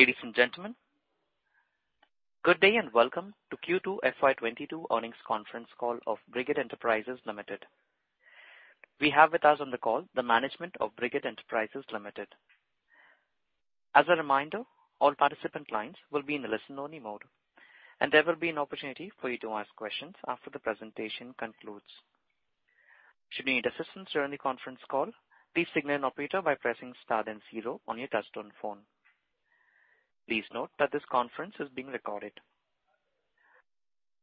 Ladies and gentlemen, good day and welcome to Q2 FY 2022 earnings conference call of Brigade Enterprises Limited. We have with us on the call the management of Brigade Enterprises Limited. As a reminder, all participant lines will be in a listen-only mode, and there will be an opportunity for you to ask questions after the presentation concludes. Should you need assistance during the conference call, please signal an operator by pressing star then zero on your touch-tone phone. Please note that this conference is being recorded.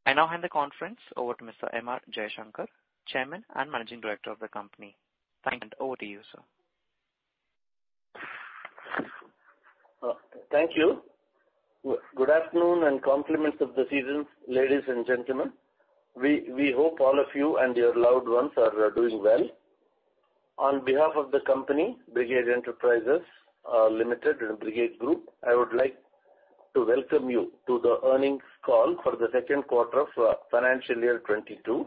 I now hand the conference over to Mr. M.R. Jaishankar, Chairman and Managing Director of the company. Thank you, and over to you, sir. Thank you. Good afternoon and compliments of the season, ladies and gentlemen. We hope all of you and your loved ones are doing well. On behalf of the company, Brigade Enterprises Limited and Brigade Group, I would like to welcome you to the earnings call for the second quarter of financial year 2022.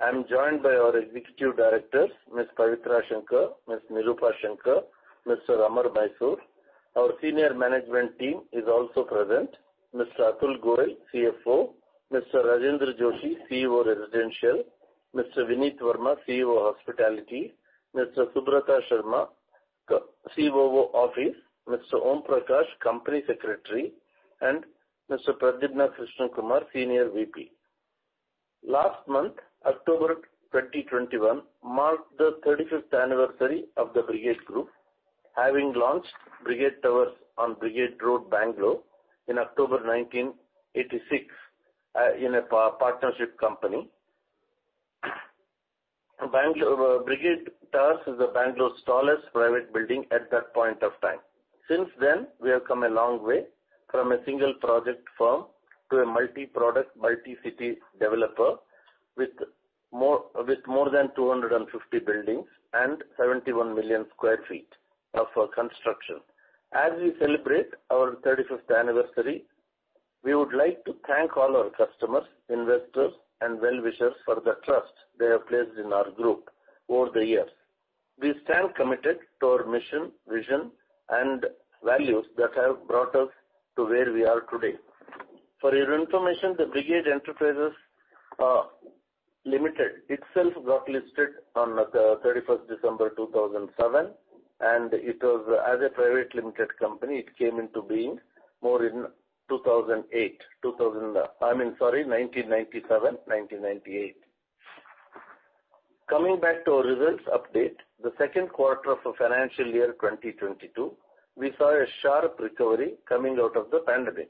I'm joined by our Executive Directors, Ms. Pavitra Shankar, Ms. Nirupa Shankar, Mr. Amar Mysore. Our senior management team is also present. Mr. Atul Goyal, CFO, Mr. Rajendra Joshi, CEO Residential, Mr. Vineet Verma, CEO Hospitality, Mr. Subrata Sharma, COO Office, Mr. Om Prakash, Company Secretary, and Mr. Pradyumna Krishna Kumar, Senior VP. Last month, October 2021 marked the 35th anniversary of the Brigade Group, having launched Brigade Towers on Brigade Road, Bangalore in October 1986 in a partnership company. Bangalore, Brigade Towers is Bangalore's tallest private building at that point of time. Since then, we have come a long way from a single project firm to a multi-product, multi-city developer with more than 250 buildings and 71 million sq ft of construction. As we celebrate our 35th anniversary, we would like to thank all our customers, investors and well-wishers for the trust they have placed in our group over the years. We stand committed to our mission, vision, and values that have brought us to where we are today. For your information, the Brigade Enterprises Limited itself got listed on the 31st December 2007, and it was, as a private limited company, it came into being more in 2008. I mean, sorry, 1997, 1998. Coming back to our results update, the second quarter of financial year 2022, we saw a sharp recovery coming out of the pandemic.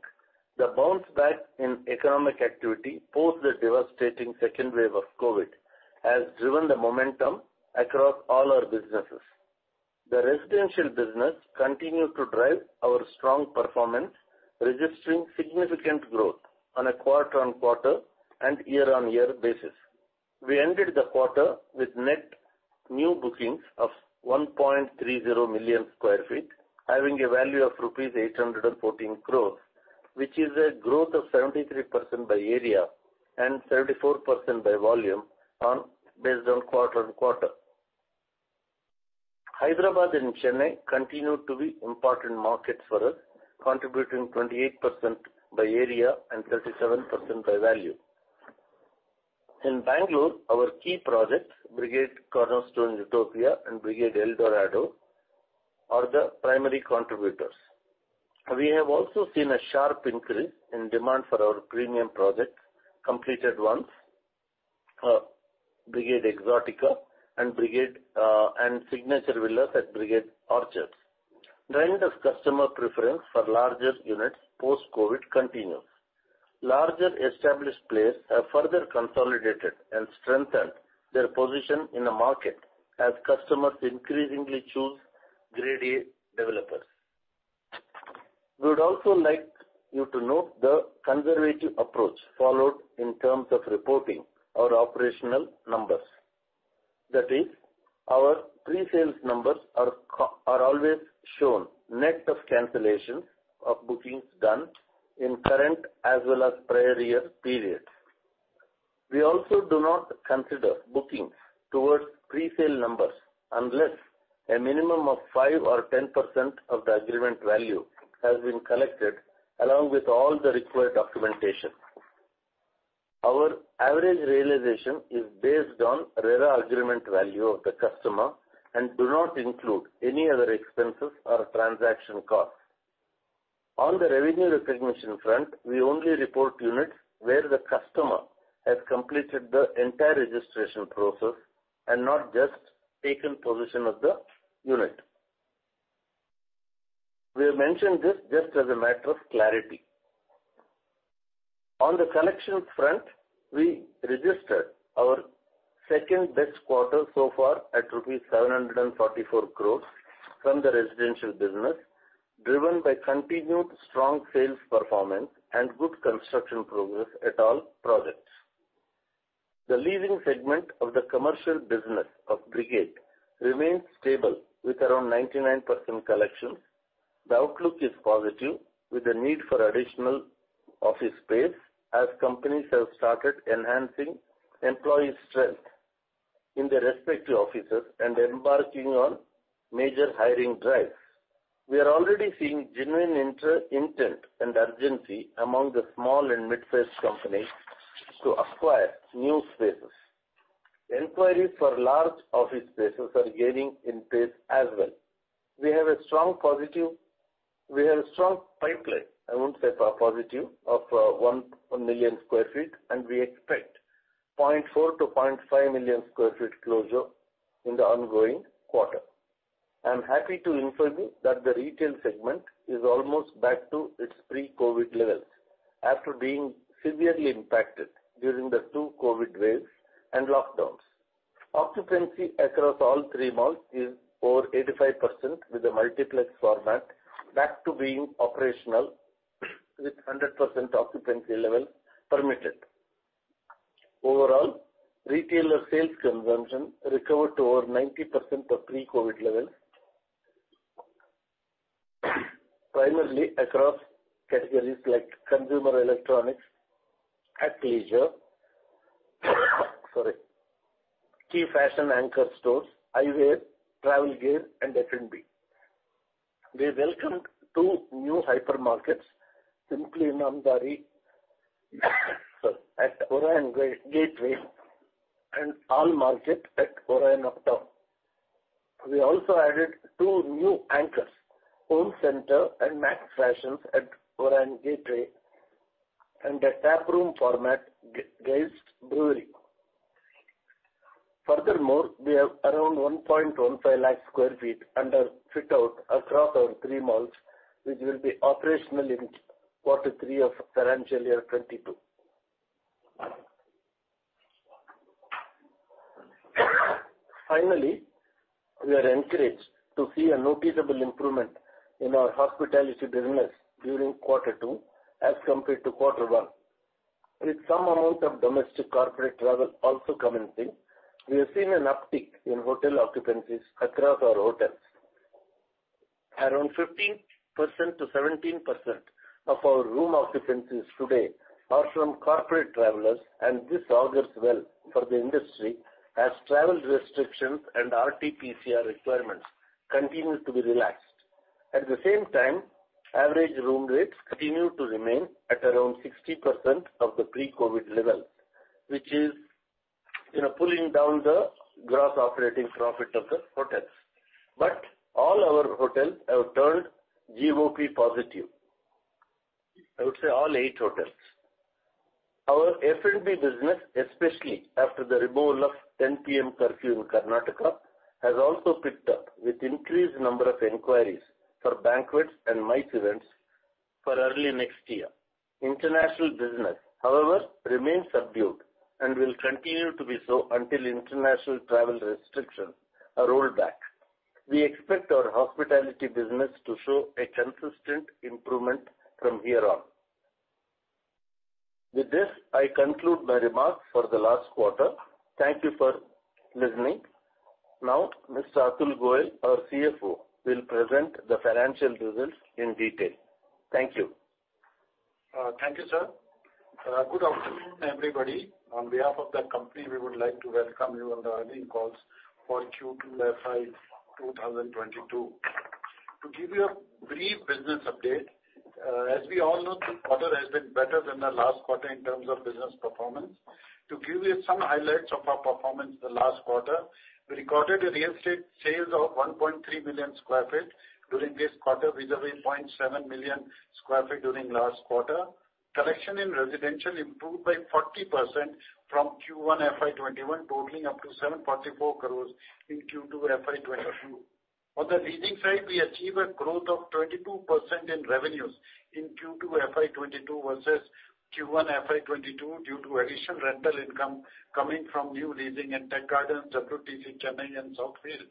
The bounce back in economic activity post the devastating second wave of COVID has driven the momentum across all our businesses. The residential business continued to drive our strong performance, registering significant growth on a quarter-on-quarter and year-on-year basis. We ended the quarter with net new bookings of 1.30 million sq ft, having a value of rupees 814 crores, which is a growth of 73% by area and 74% by volume based on quarter-on-quarter. Hyderabad and Chennai continued to be important markets for us, contributing 28% by area and 37% by value. In Bangalore, our key projects, Brigade Cornerstone Utopia and Brigade El Dorado, are the primary contributors. We have also seen a sharp increase in demand for our premium projects, completed ones, Brigade Exotica and Signature Villas at Brigade Orchards. The trend of customer preference for larger units post-COVID continues. Larger established players have further consolidated and strengthened their position in the market as customers increasingly choose Grade A developers. We would also like you to note the conservative approach followed in terms of reporting our operational numbers. That is, our pre-sales numbers are always shown net of cancellations of bookings done in current as well as prior year periods. We also do not consider bookings towards pre-sale numbers unless a minimum of 5% or 10% of the agreement value has been collected along with all the required documentation. Our average realization is based on RERA agreement value of the customer and do not include any other expenses or transaction costs. On the revenue recognition front, we only report units where the customer has completed the entire registration process and not just taken possession of the unit. We have mentioned this just as a matter of clarity. On the collection front, we registered our second-best quarter so far at rupees 744 crores from the residential business, driven by continued strong sales performance and good construction progress at all projects. The leading segment of the commercial business of Brigade remains stable with around 99% collections. The outlook is positive with the need for additional office space as companies have started enhancing employee strength in their respective offices and embarking on major hiring drives. We are already seeing genuine interest and intent and urgency among the small and midsize companies to acquire new spaces. Inquiries for large office spaces are gaining in pace as well. We have a strong pipeline, I won't say positive, of 1 million sq ft, and we expect 0.4 million-0.5 million sq ft closure in the ongoing quarter. I'm happy to inform you that the retail segment is almost back to its pre-COVID levels after being severely impacted during the two COVID waves and lockdowns. Occupancy across all three malls is over 85% with a multiplex format back to being operational with 100% occupancy level permitted. Overall, retailer sales consumption recovered to over 90% of pre-COVID levels. Primarily across categories like consumer electronics, leisure, key fashion anchor stores, eyewear, travel gear, and F&B. We welcomed two new hypermarkets, Simpli Namdhari's at Orion Gateway and All Market at Orion Uptown. We also added two new anchors, Home Centre and Max Fashion at Orion Gateway, and a taproom format, Geist Brewing. Furthermore, we have around 1.15 lakh sq ft under fit-out across our three malls, which will be operational in Q3 of FY 2022. Finally, we are encouraged to see a noticeable improvement in our hospitality business during Q2 as compared to Q1. With some amount of domestic corporate travel also commencing, we have seen an uptick in hotel occupancies across our hotels. Around 15%-17% of our room occupancies today are from corporate travelers, and this augurs well for the industry as travel restrictions and RTPCR requirements continue to be relaxed. At the same time, average room rates continue to remain at around 60% of the pre-COVID level, which is, you know, pulling down the gross operating profit of the hotels. All our hotels have turned GOP positive. I would say all eight hotels. Our F&B business, especially after the removal of 10:00 P.M. curfew in Karnataka, has also picked up with increased number of inquiries for banquets and MICE events for early next year. International business, however, remains subdued and will continue to be so until international travel restrictions are rolled back. We expect our hospitality business to show a consistent improvement from here on. With this, I conclude my remarks for the last quarter. Thank you for listening. Now, Mr. Atul Goyal, our CFO, will present the financial results in detail. Thank you. Thank you, sir. Good afternoon, everybody. On behalf of the company, we would like to welcome you on the earnings call for Q2 FY 2022. To give you a brief business update, as we all know, this quarter has been better than the last quarter in terms of business performance. To give you some highlights of our performance the last quarter, we recorded a real estate sales of 1.3 million sq ft during this quarter, vis-a-vis 0.7 million sq ft during last quarter. Collection in residential improved by 40% from Q1 FY 2021, totaling up to 744 crores in Q2 FY 2022. On the leasing side, we achieved a growth of 22% in revenues in Q2 FY 2022 versus Q1 FY 2022 due to additional rental income coming from new leasing in Tech Gardens, WTC Chennai and Southfield.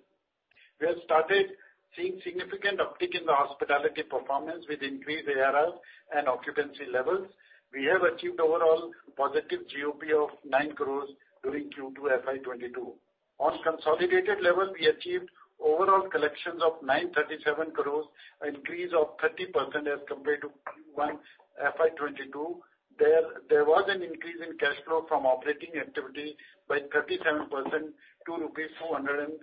We have started seeing significant uptick in the hospitality performance with increased ARR and occupancy levels. We have achieved overall positive GOP of 9 crores during Q2 FY 2022. On consolidated level, we achieved overall collections of 937 crores, an increase of 30% as compared to FY 2022. There was an increase in cash flow from operating activity by 37% to 213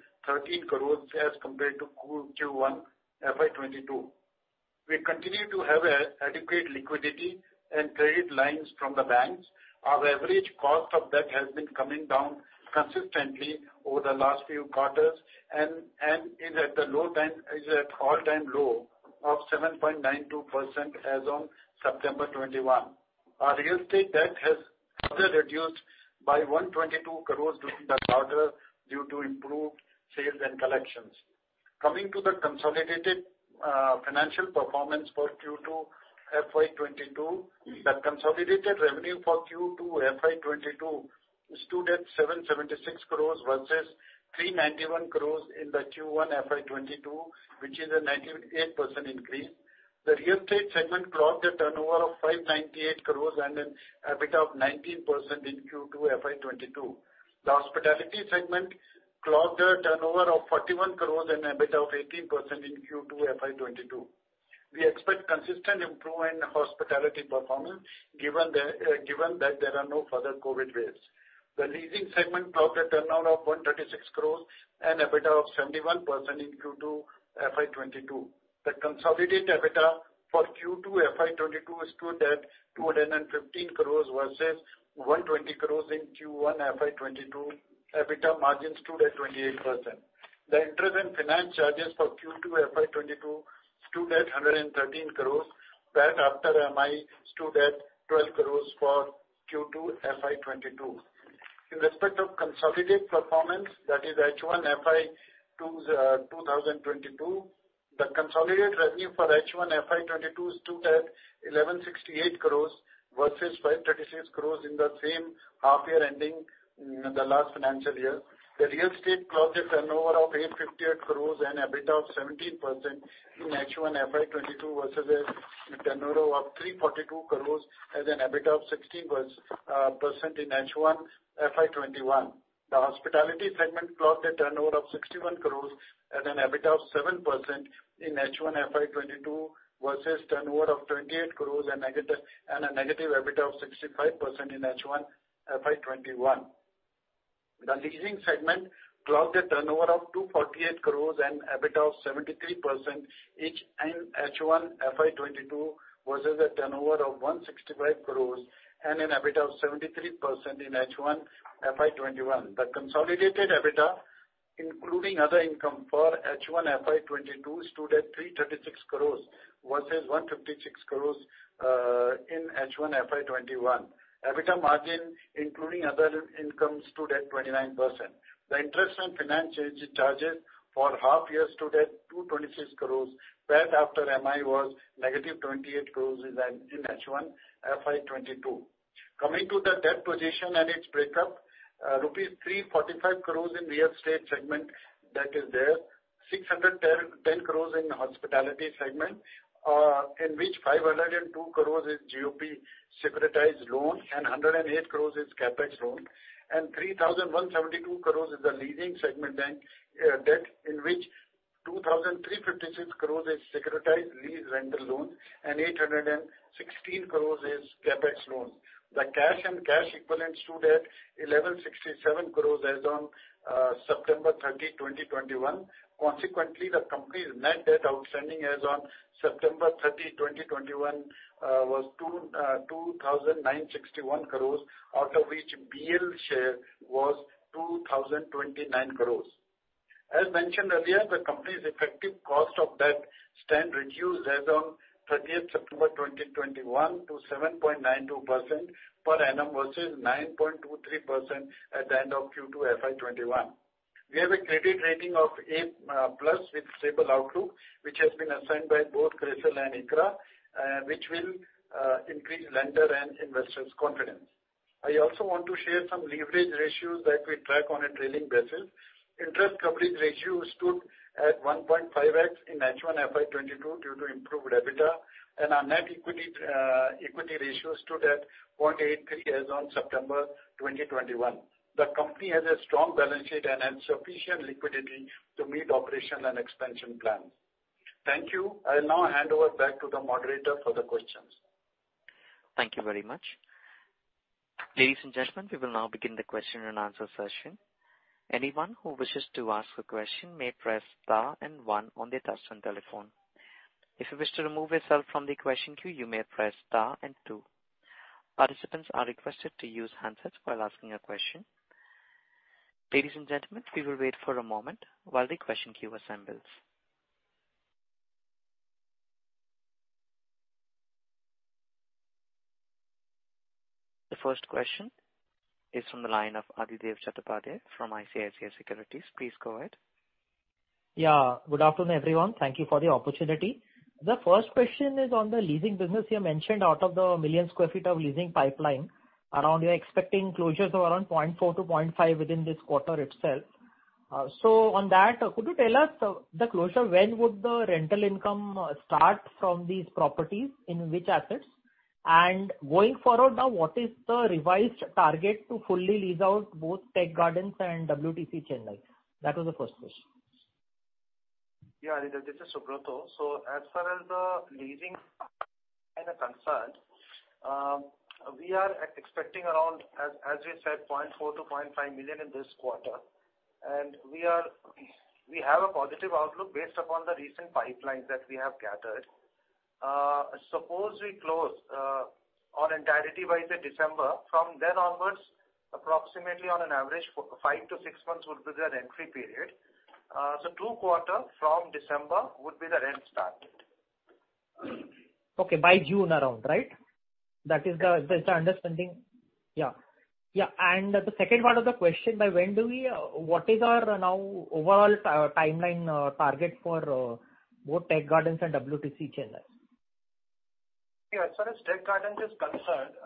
crores as compared to Q1 FY 2022. We continue to have adequate liquidity and credit lines from the banks. Our average cost of debt has been coming down consistently over the last few quarters and is at all-time low of 7.92% as on September 2021. Our real estate debt has further reduced by 122 crores during the quarter due to improved sales and collections. Coming to the consolidated financial performance for Q2 FY 2022, the consolidated revenue for Q2 FY 2022 stood at 776 crores versus 391 crores in the Q1 FY 2022, which is a 98% increase. The real estate segment clocked a turnover of 598 crores and an EBITDA of 19% in Q2 FY 2022. The hospitality segment clocked a turnover of 41 crores and EBITDA of 18% in Q2 FY 2022. We expect consistent improvement in hospitality performance, given that there are no further COVID waves. The leasing segment turnover of 136 crores and EBITDA of 71% in Q2 FY 2022. The consolidated EBITDA for Q2 FY 2022 stood at 215 crores versus 120 crores in Q1 FY 2022. EBITDA margin stood at 28%. The interest and finance charges for Q2 FY 2022 stood at 113 crore. That after MI stood at 12 crore for Q2 FY 2022. In respect of consolidated performance, that is H1 FY 2022, the consolidated revenue for H1 FY 2022 stood at 1,168 crore versus 536 crore in the same half-year ending the last financial year. The real estate closed a turnover of 858 crore and EBITDA of 17% in H1 FY 2022 versus a turnover of 342 crore and an EBITDA of 16% in H1 FY 2021. The hospitality segment closed a turnover of 61 crore and an EBITDA of 7% in H1 FY 2022 versus turnover of 28 crore and a negative EBITDA of 65% in H1 FY 2021. The leasing segment closed a turnover of 248 crores and EBITDA of 73% each in H1 FY 2022 versus a turnover of 165 crores and an EBITDA of 73% in H1 FY 2021. The consolidated EBITDA, including other income for H1 FY 2022, stood at 336 crores versus 156 crores in H1 FY 2021. EBITDA margin, including other income, stood at 29%. The interest and financial charges for half-year stood at 226 crores. That after MI was negative 28 crores in H1 FY 2022. Coming to the debt position and its breakup, rupees 345 crores in real estate segment that is there. 610 crores in hospitality segment, in which 502 crores is GOP securitized loans and 108 crores is CapEx loan. 3,172 crores is the leasing segment then, debt, in which 2,356 crores is securitized lease rental loan and 816 crores is CapEx loan. The cash and cash equivalents stood at 1,167 crores as on September 30, 2021. Consequently, the company's net debt outstanding as on September 30, 2021, was 2,961 crores, out of which BL's share was 2,029 crores. As mentioned earlier, the company's effective cost of debt stand reduced as on 30th September 2021 to 7.92% per annum versus 9.23% at the end of Q2 FY 2021. We have a credit rating of A+ with stable outlook, which has been assigned by both CRISIL and ICRA, which will increase lender and investors' confidence. I also want to share some leverage ratios that we track on a trailing basis. Interest coverage ratio stood at 1.5x in H1 FY 2022 due to improved EBITDA. Our net debt equity ratio stood at 0.83 as on September 2021. The company has a strong balance sheet and has sufficient liquidity to meet operational and expansion plans. Thank you. I'll now hand over back to the moderator for the questions. Thank you very much. Ladies and gentlemen, we will now begin the question and answer session. Anyone who wishes to ask a question may press star and one on their touch-tone telephone. If you wish to remove yourself from the question queue, you may press star and two. Participants are requested to use handsets while asking a question. Ladies and gentlemen, we will wait for a moment while the question queue assembles. The first question is from the line of Adhidev Chattopadhyay from ICICI Securities. Please go ahead. Yeah. Good afternoon, everyone. Thank you for the opportunity. The first question is on the leasing business. You mentioned out of the 1 million sq ft of leasing pipeline, you're expecting closures of around 0.4 million-0.5 million sq ft within this quarter itself. So on that, could you tell us the closure, when would the rental income start from these properties, in which assets? Going forward now, what is the revised target to fully lease out both Brigade Tech Gardens and World Trade Center Chennai? That was the first question. Yeah, Adhidev, this is Subrata. As far as the leasing are concerned, we are expecting around, as we said, 0.4 million-0.5 million sq ft in this quarter. We have a positive outlook based upon the recent pipelines that we have gathered. Suppose we close on entirety by, say, December, from then onwards, approximately on an average, five to six months would be the rent-free period. Two quarter from December would be the rent started. Okay, by around June, right? That's the understanding. Yeah. Yeah. The second part of the question, by when do we, what is our now overall timeline target for both Brigade Tech Gardens and World Trade Center Chennai? Yeah. As far as Tech Gardens is concerned,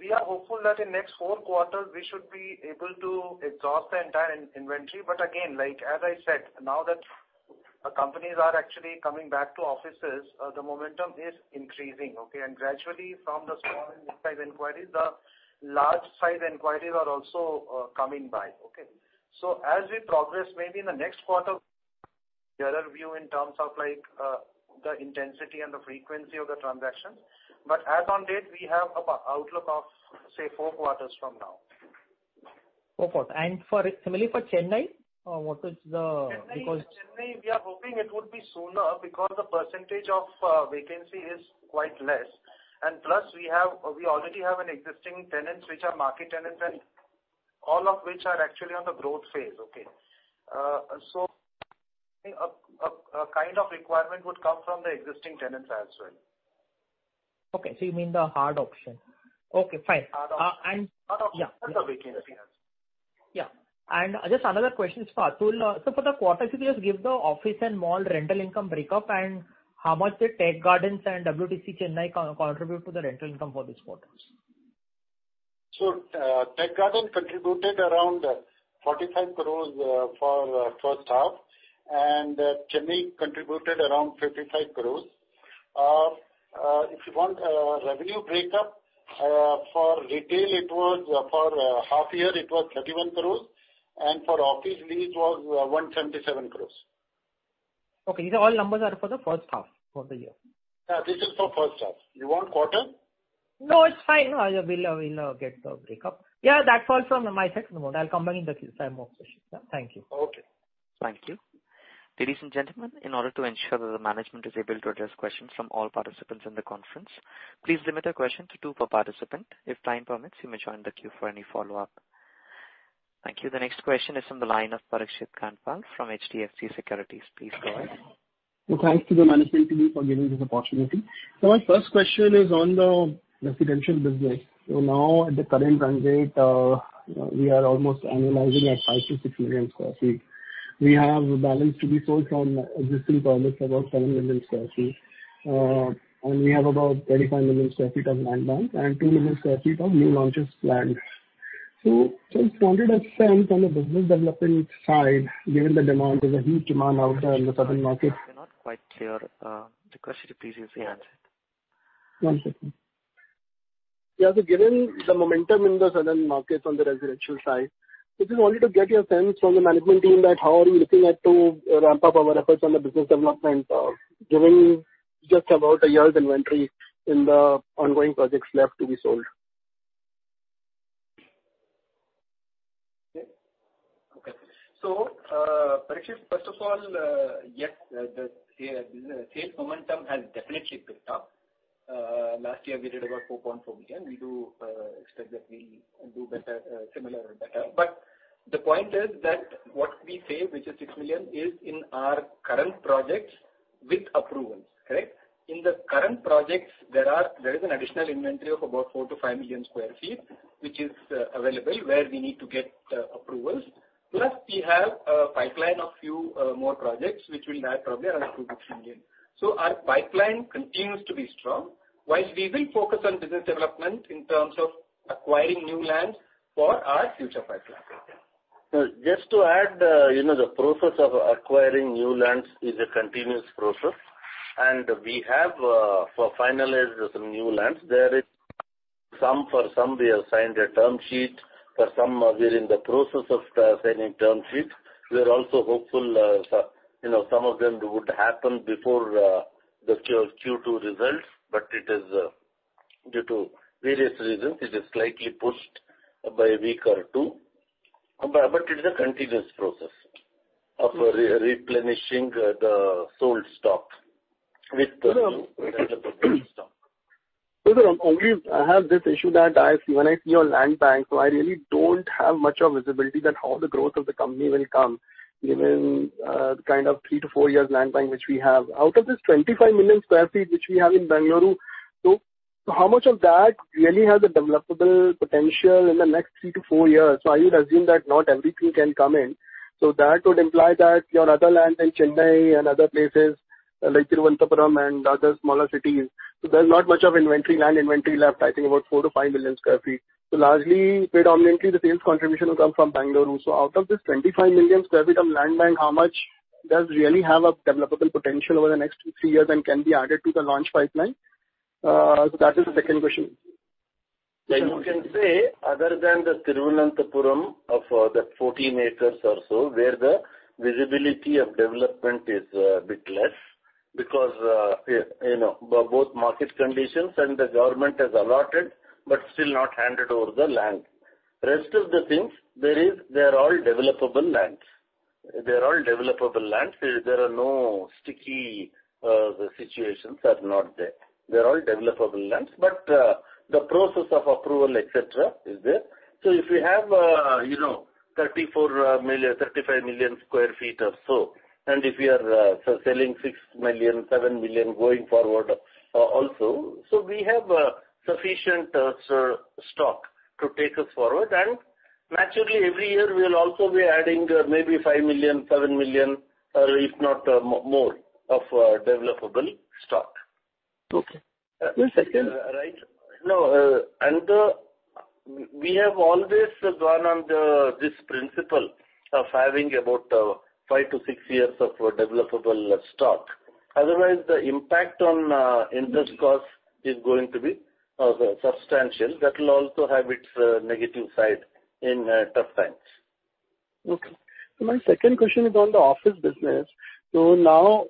we are hopeful that in next four quarters we should be able to exhaust the entire inventory. Again, like as I said, now that companies are actually coming back to offices, the momentum is increasing, okay? Gradually from the small and mid-size inquiries, the large size inquiries are also coming by. Okay? As we progress maybe in the next quarter, the other view in terms of like, the intensity and the frequency of the transactions. As on date, we have a positive outlook of, say, four quarters from now. Four quarters. Similarly for Chennai, what is the- Chennai, we are hoping it would be sooner because the percentage of vacancy is quite less. Plus we already have existing tenants, which are market tenants, and all of which are actually on the growth phase. Okay. A kind of requirement would come from the existing tenants as well. Okay. You mean the hard option? Okay, fine. Hard option. Uh, and- Hard option. Yeah. That's the vacancy ones. Just another question is for Atul. For the quarter, could you just give the office and mall rental income breakup, and how much the Tech Gardens and WTC Chennai contribute to the rental income for this quarter? Tech Gardens contributed around 45 crores for first half, and Chennai contributed around 55 crores. If you want revenue breakup, for retail it was 31 crores for half-year, and for office lease 177 crores. Okay. These are all numbers are for the first half of the year? This is for first half. You want quarter? No, it's fine. We'll get the break up. Yeah. That falls from my side. No more. I'll join in the queue so I have more questions. Yeah. Thank you. Okay. Thank you. Ladies and gentlemen, in order to ensure that the management is able to address questions from all participants in the conference, please limit your question to two per participant. If time permits, you may join the queue for any follow-up. Thank you. The next question is from the line of Parikshit Kandpal from HDFC Securities. Please go ahead. Well, thanks to the management team for giving this opportunity. My first question is on the residential business. Now at the current run rate, we are almost annualizing at 5 million-6 million sq ft. We have a balance to be sold from existing projects, about 7 million sq ft. And we have about 35 million sq ft of land bank and 2 million sq ft of new launches planned. Just wanted a sense on the business development side, given the demand. There's a huge demand out there in the southern markets. We're not quite clear. The question, please, can be answered. One second. Yeah. Given the momentum in the southern markets on the residential side, I just wanted to get your sense from the management team that how are you looking at to ramp up our efforts on the business development, given just about a year's inventory in the ongoing projects left to be sold. Okay. Parikshit, first of all, yes, the sales momentum has definitely picked up. Last year we did about 4.4 million. We expect that we do better, similar or better. The point is that what we say, which is 6 million, is in our current projects with approvals, correct? In the current projects, there is an additional inventory of about 4 million-5 million sq ft, which is available, where we need to get approvals. Plus, we have a pipeline of few more projects which will add probably another two, three million. Our pipeline continues to be strong while we will focus on business development in terms of acquiring new lands for our future pipeline. Just to add, you know, the process of acquiring new lands is a continuous process, and we have finalized some new lands. There is some, for some we have signed a term sheet. For some, we are in the process of signing term sheets. We are also hopeful, so, you know, some of them would happen before the Q2 results. But it is due to various reasons, it is slightly pushed by a week or two. But it's a continuous process of replenishing the sold stock with the stock. Sir, I only have this issue that I see when I see your land bank. I really don't have much of visibility that how the growth of the company will come given kind of three to four years land bank, which we have. Out of this 25 million sq ft, which we have in Bangalore, how much of that really has a developable potential in the next three to four years? I would assume that not everything can come in. That would imply that your other land in Chennai and other places like Thiruvananthapuram and other smaller cities has not much of inventory, land inventory left, I think about 4 million-5 million sq ft. Largely, predominantly the sales contribution will come from Bangalore. Out of this 25 million sq ft of land bank, how much does really have a developable potential over the next three years and can be added to the launch pipeline? That is the second question. You can say other than the Thiruvananthapuram of that 14 acres or so, where the visibility of development is a bit less because you know both market conditions and the government has allotted but still not handed over the land. Rest of the things, they're all developable lands. There are no sticky situations. But the process of approval, et cetera, is there. If we have 34 million, 35 million sq ft or so, and if we are selling six million, seven million going forward, also, we have sufficient stock to take us forward. Naturally, every year we will also be adding maybe five million, seven million, or if not more of developable stock. Okay. One second. Right. No, we have always gone on this principle of having about five to six years of developable stock. Otherwise, the impact on interest cost is going to be substantial. That will also have its negative side in tough times. Okay. My second question is on the office business. Now,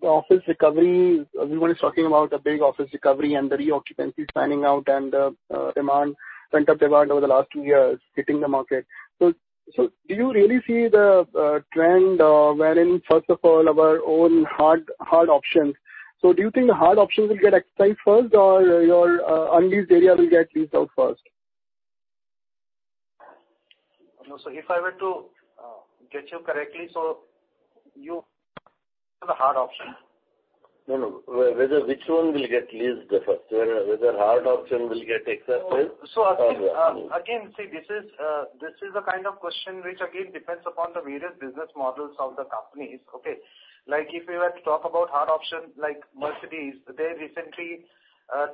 the office recovery, everyone is talking about a big office recovery and the reoccupancy planning out and, demand, pent-up demand over the last two years hitting the market. Do you really see the trend, wherein first of all our own hard options. Do you think the hard options will get exercised first or your, unleased area will get leased out first? No. If I were to get you correctly, so you the hard option. No, no. Whether which one will get leased the first. Whether hard option will get exercised. Again, see, this is the kind of question which again depends upon the various business models of the companies. Okay? Like if we were to talk about hard option like Mercedes-Benz, they recently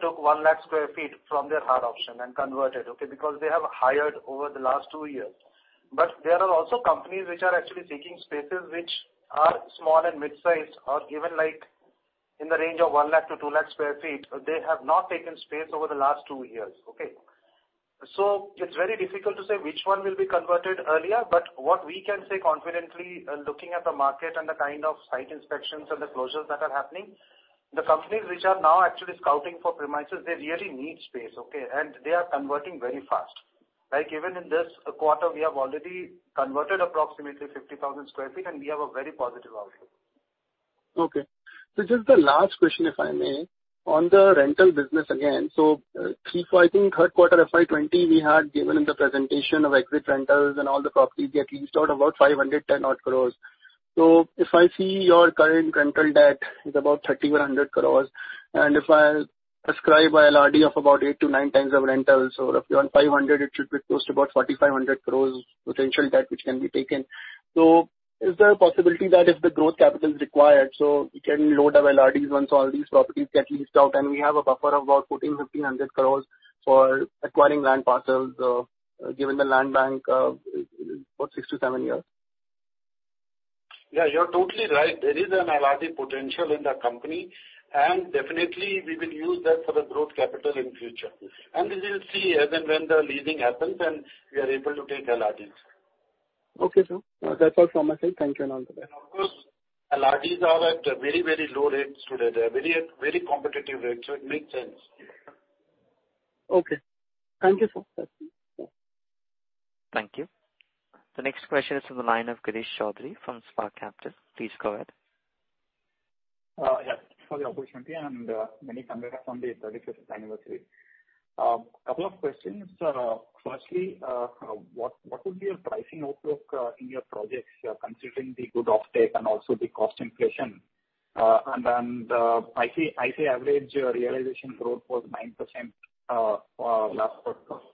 took 100,000 sq ft from their hard option and converted, okay, because they have hired over the last two years. But there are also companies which are actually seeking spaces which are small and mid-sized, or even like in the range of 100,000-200,000 sq ft. They have not taken space over the last two years. Okay? It's very difficult to say which one will be converted earlier, but what we can say confidently, looking at the market and the kind of site inspections and the closures that are happening, the companies which are now actually scouting for premises, they really need space, okay? They are converting very fast. Like even in this quarter, we have already converted approximately 50,000 sq ft and we have a very positive outlook. Okay. This is the last question, if I may. On the rental business again. If I think third quarter FY 2020 we had given in the presentation of exit rentals and all the properties we had leased out about 510 crore. If I see your current rental debt is about 3,100 crore, and if I ascribe a LRD of about eight to nine times our rentals, or if you want 500, it should be close to about 4,500 crore potential debt which can be taken. Is there a possibility that if the growth capital is required, we can load up LRDs once all these properties get leased out, and we have a buffer of about 1,400 crore-1,500 crore for acquiring land parcels, given the land bank for six to seven years? Yeah, you're totally right. There is an LRD potential in the company, and definitely we will use that for the growth capital in future. We will see as and when the leasing happens and we are able to take LRDs. Okay, sir. That's all from my side. Thank you and all the best. Of course, LRDs are at very, very low rates today. They are at very competitive rates, so it makes sense. Okay. Thank you, sir. Thank you. The next question is from the line of Girish Choudhary from Spark Capital. Please go ahead. Yeah. Thanks for the opportunity and many congrats on the 35th anniversary. Couple of questions. Firstly, what would be your pricing outlook in your projects considering the good offtake and also the cost inflation? I see average realization growth was 9% last quarter.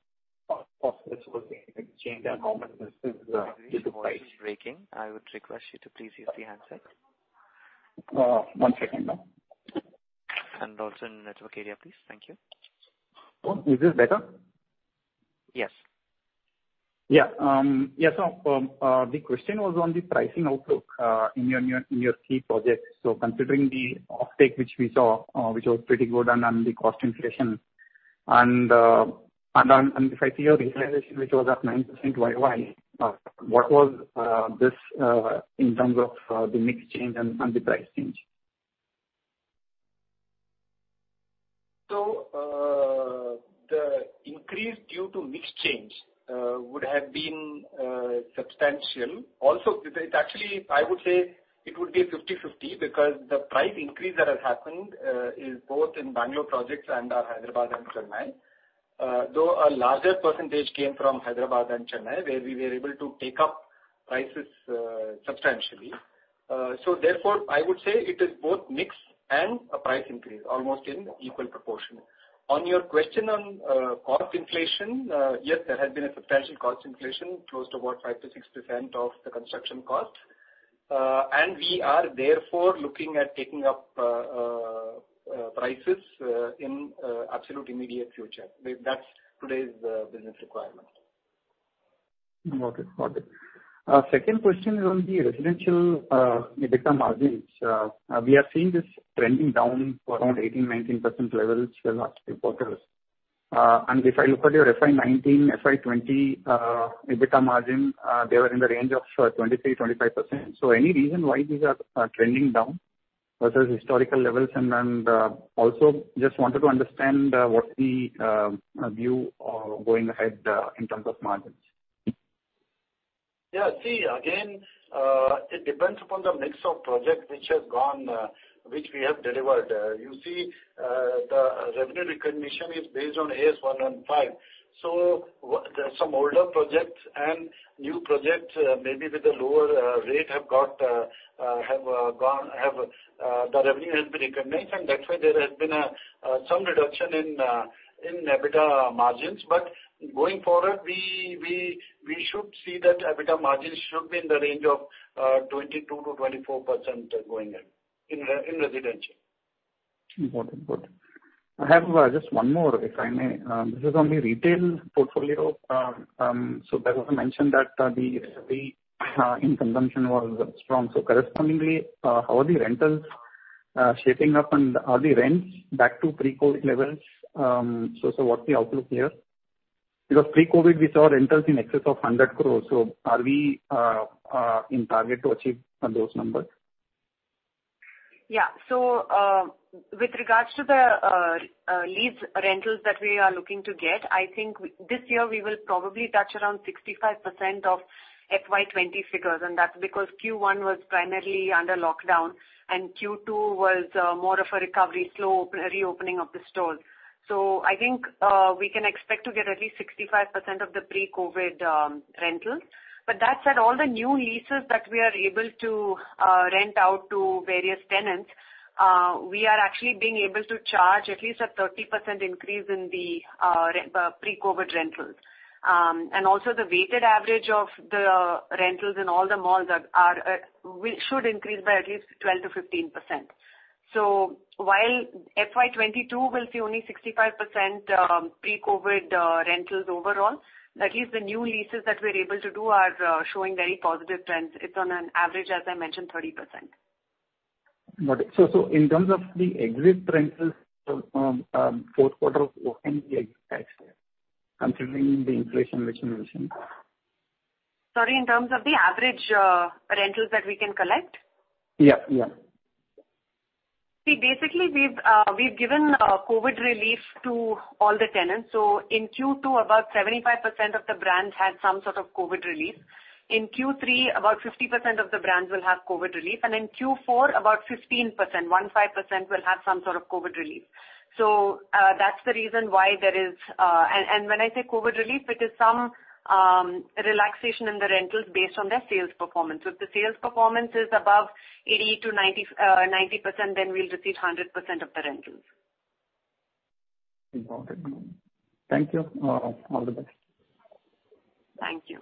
Cost was being changed and- Girish, your voice is breaking. I would request you to please use the handset. One second now. Also network area, please. Thank you. Is this better? Yes. The question was on the pricing outlook in your key projects. Considering the offtake which we saw, which was pretty good, and the cost inflation, and if I see your realization, which was at 9% YoY, what was this in terms of the mix change and the price change? The increase due to mix change would have been substantial. Also, it's actually, I would say it would be 50/50 because the price increase that has happened is both in Bangalore projects and our Hyderabad and Chennai. Though a larger percentage came from Hyderabad and Chennai, where we were able to take up prices substantially. Therefore, I would say it is both mix and a price increase almost in equal proportion. On your question on cost inflation, yes, there has been a substantial cost inflation, close to about 5%-6% of the construction cost. We are therefore looking at taking up prices in absolute immediate future. That's today's business requirement. Okay. Got it. Second question is on the residential EBITDA margins. We are seeing this trending down to around 18%-19% levels for the last three quarters. If I look at your FY 2019, FY 2020 EBITDA margin, they were in the range of 23%-25%. Any reason why these are trending down versus historical levels? Also just wanted to understand what's the view going ahead in terms of margins. See, again, it depends upon the mix of project which has gone, which we have delivered. You see, the revenue recognition is based on AS 115. There are some older projects and new projects, maybe with a lower rate, the revenue has been recognized, and that's why there has been some reduction in EBITDA margins. Going forward we should see that EBITDA margins should be in the range of 22%-24% going ahead in residential. Got it. Good. I have just one more, if I may. This is on the retail portfolio. There was a mention that the increase in consumption was strong. Correspondingly, how are the rentals shaping up and are the rents back to pre-COVID levels? What's the outlook here? Because pre-COVID we saw rentals in excess of 100 crore. Are we on target to achieve those numbers? Yeah. With regards to the leased rentals that we are looking to get, I think this year we will probably touch around 65% of FY 2020 figures, and that's because Q1 was primarily under lockdown and Q2 was more of a recovery slow reopening of the stores. I think we can expect to get at least 65% of the pre-COVID rentals. That said, all the new leases that we are able to rent out to various tenants, we are actually being able to charge at least a 30% increase in the pre-COVID rentals. And also the weighted average of the rentals in all the malls will increase by at least 12%-15%. While FY 2022 will see only 65% pre-COVID rentals overall, at least the new leases that we're able to do are showing very positive trends. It's on average, as I mentioned, 30%. Got it. In terms of the existing rentals, fourth quarter, considering the inflation which you mentioned. Sorry, in terms of the average, rentals that we can collect? Yeah, yeah. See, basically we've given COVID relief to all the tenants. In Q2, about 75% of the brands had some sort of COVID relief. In Q3, about 50% of the brands will have COVID relief. In Q4, about 15% will have some sort of COVID relief. That's the reason why there is. When I say COVID relief, it is some relaxation in the rentals based on their sales performance. If the sales performance is above 80%-90%, then we'll receive 100% of the rentals. Got it. Thank you. All the best. Thank you.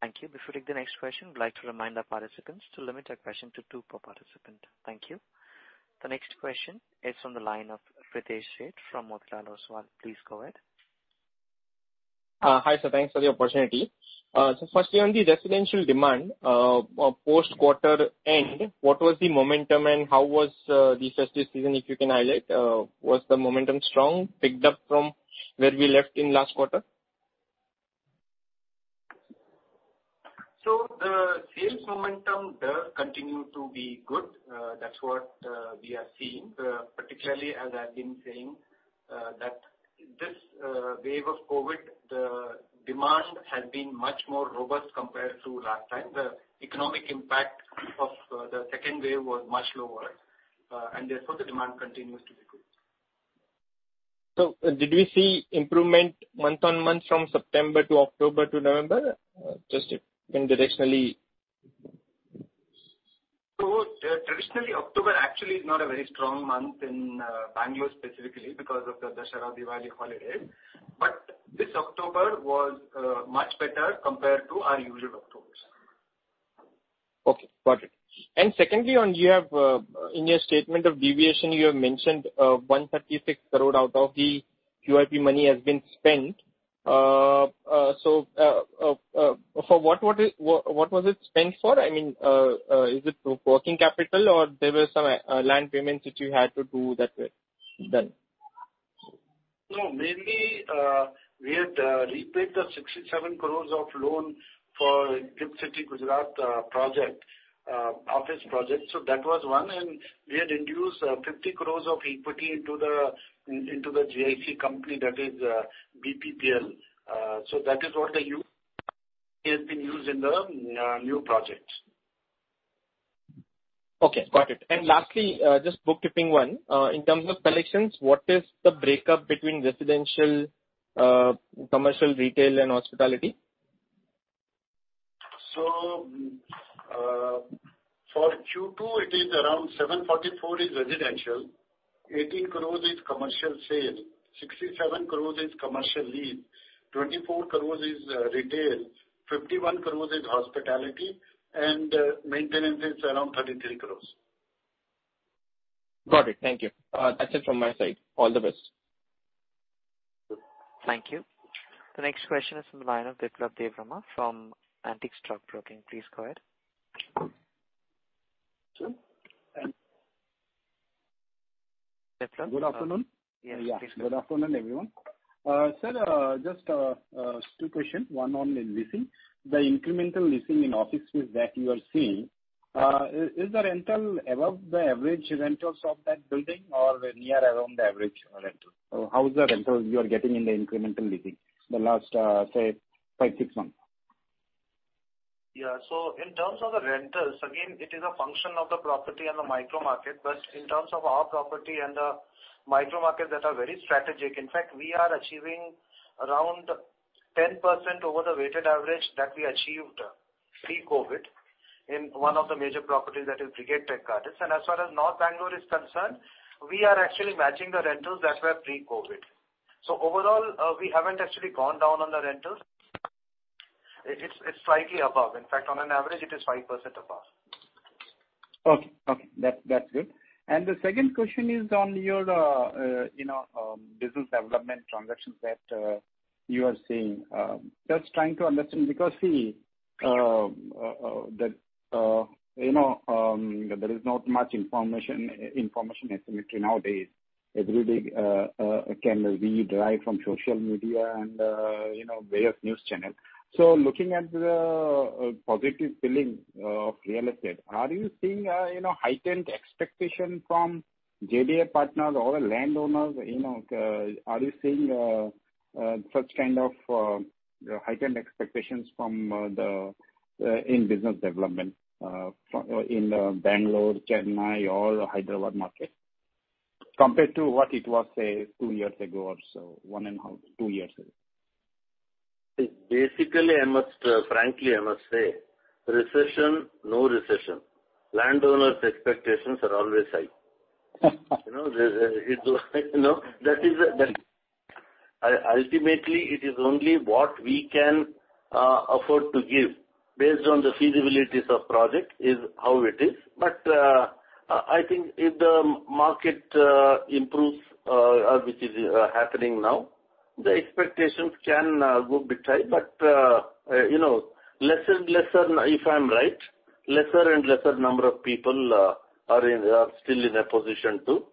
Thank you. Before we take the next question, I'd like to remind our participants to limit their question to two per participant. Thank you. The next question is from the line of Pritesh Sheth from Motilal Oswal. Please go ahead. Hi, sir. Thanks for the opportunity. Firstly on the residential demand, post quarter end, what was the momentum and how was the festive season, if you can highlight? Was the momentum strong, picked up from where we left in last quarter? The sales momentum does continue to be good. That's what we are seeing. Particularly as I've been saying, that this wave of COVID, the demand has been much more robust compared to last time. The economic impact of the second wave was much lower, and therefore the demand continues to be good. Did we see improvement month-on-month from September to October to November? Just directionally. Traditionally, October actually is not a very strong month in Bangalore specifically because of the Dussehra, Diwali holiday. This October was much better compared to our usual Octobers. Okay. Got it. Secondly, in your statement of deviation, you have mentioned 136 crore out of the QIP money has been spent. What was it spent for? I mean, is it for working capital or there were some land payments which you had to do that were done? No, mainly, we had repaid the 67 crore of loan for GIFT City, Gujarat office project. That was one. We had infused 50 crore of equity into the JV company that is BPPL. That is what has been used in the new projects. Okay. Got it. Lastly, just bookkeeping one. In terms of collections, what is the breakdown between residential, commercial, retail, and hospitality? For Q2, it is around 744 crores residential, 18 crores commercial sales, 67 crores commercial lease, 24 crores retail, 51 crores hospitality, and maintenance is around 33 crores. Got it. Thank you. That's it from my side. All the best. Thank you. The next question is from the line of Biplab Debbarma from Antique Stock Broking. Please go ahead. Biplab? Good afternoon. Yes, please go ahead. Yeah. Good afternoon, everyone. Sir, just two questions. One on leasing. The incremental leasing in office space that you are seeing, is the rental above the average rentals of that building or near around the average rental? How are the rentals you are getting in the incremental leasing the last say five, six months? Yeah. In terms of the rentals, again, it is a function of the property and the micro market. In terms of our property and the micro markets that are very strategic, in fact, we are achieving around 10% over the weighted average that we achieved pre-COVID in one of the major properties that is Brigade Tech Gardens. As far as North Bangalore is concerned, we are actually matching the rentals that were pre-COVID. Overall, we haven't actually gone down on the rentals. It's slightly above. In fact, on an average it is 5% above. Okay. That's good. The second question is on your you know, business development transactions that you are seeing. Just trying to understand because see, that you know, there is not much information asymmetry nowadays. Everything can be derived from social media and you know, various news channels. So looking at the positive feeling of real estate, are you seeing a you know, heightened expectation from JDA partners or the landowners, you know, are you seeing such kind of heightened expectations from the business development in Bangalore, Chennai or Hyderabad market compared to what it was, say, two years ago or so, one and half, two years ago? Basically, frankly, I must say recession, no recession, landowners expectations are always high. You know, there is, it is you know. Ultimately, it is only what we can afford to give based on the feasibilities of project. That is how it is. I think if the market improves, which is happening now, the expectations can go bit high. You know, lesser and lesser, if I'm right, number of people are still in a position to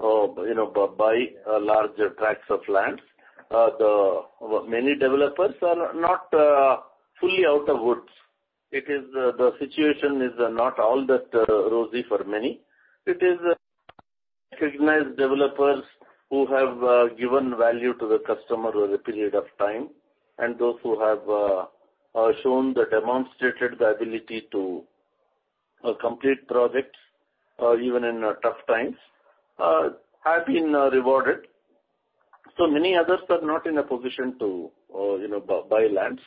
you know buy larger tracts of land. Many developers are not fully out of the woods. It is the situation is not all that rosy for many. It is recognized developers who have given value to the customer over a period of time, and those who have shown, demonstrated the ability to complete projects even in tough times have been rewarded. Many others are not in a position to, you know, buy lands.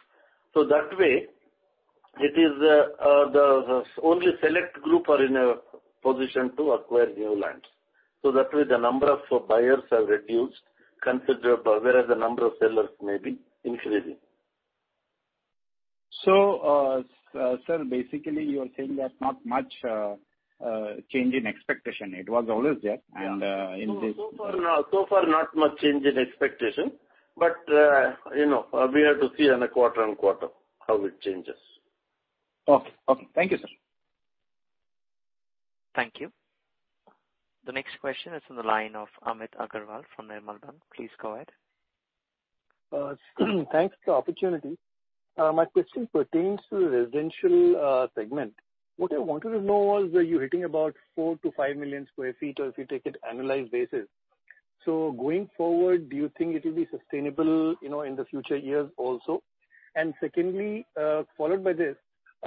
That way it is, the only select group are in a position to acquire new lands. That way the number of buyers have reduced considerably, whereas the number of sellers may be increasing. Sir, basically you are saying that not much change in expectation. It was always there. Yeah. And, uh, in this- So far not much change in expectation, but you know, we have to see on a quarter-on-quarter how it changes. Okay. Thank you, sir. Thank you. The next question is on the line of Amit Agarwal from Nirmal Bang. Please go ahead. Thanks for the opportunity. My question pertains to the residential segment. What I wanted to know was that you're hitting about 4 million-5 million sq ft, or if you take it annualized basis. Going forward, do you think it will be sustainable, you know, in the future years also? Secondly, followed by this,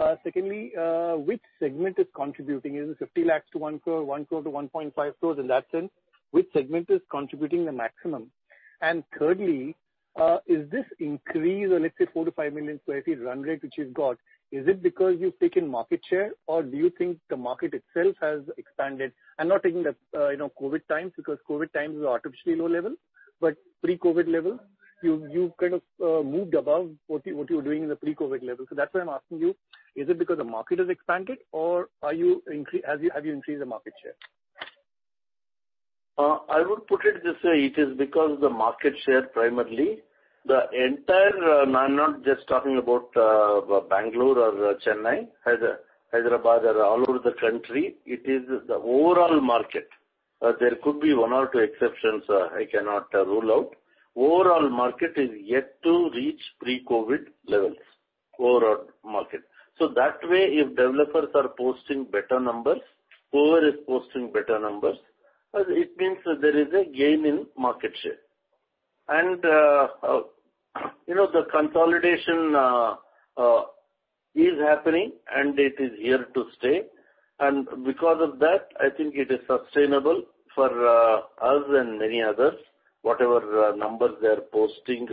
which segment is contributing? Is it 50 lakhs-1 crore, 1 crore-1.5 crores in that sense, which segment is contributing the maximum? Thirdly, is this increase of, let's say, 4 million-5 million sq ft run rate which you've got, is it because you've taken market share, or do you think the market itself has expanded? I'm not taking the, you know, COVID times, because COVID times is artificially low level. Pre-COVID level, you've kind of moved above what you were doing in the pre-COVID level. That's why I'm asking you, is it because the market has expanded or have you increased the market share? I would put it this way. It is because the market share primarily. The entire, I'm not just talking about Bangalore or Chennai, Hyderabad, or all over the country. It is the overall market. There could be one or two exceptions, I cannot rule out. Overall market is yet to reach pre-COVID levels. Overall market. That way if developers are posting better numbers, whoever is posting better numbers, it means there is a gain in market share. You know, the consolidation is happening and it is here to stay. Because of that I think it is sustainable for us and many others. Whatever numbers they are posting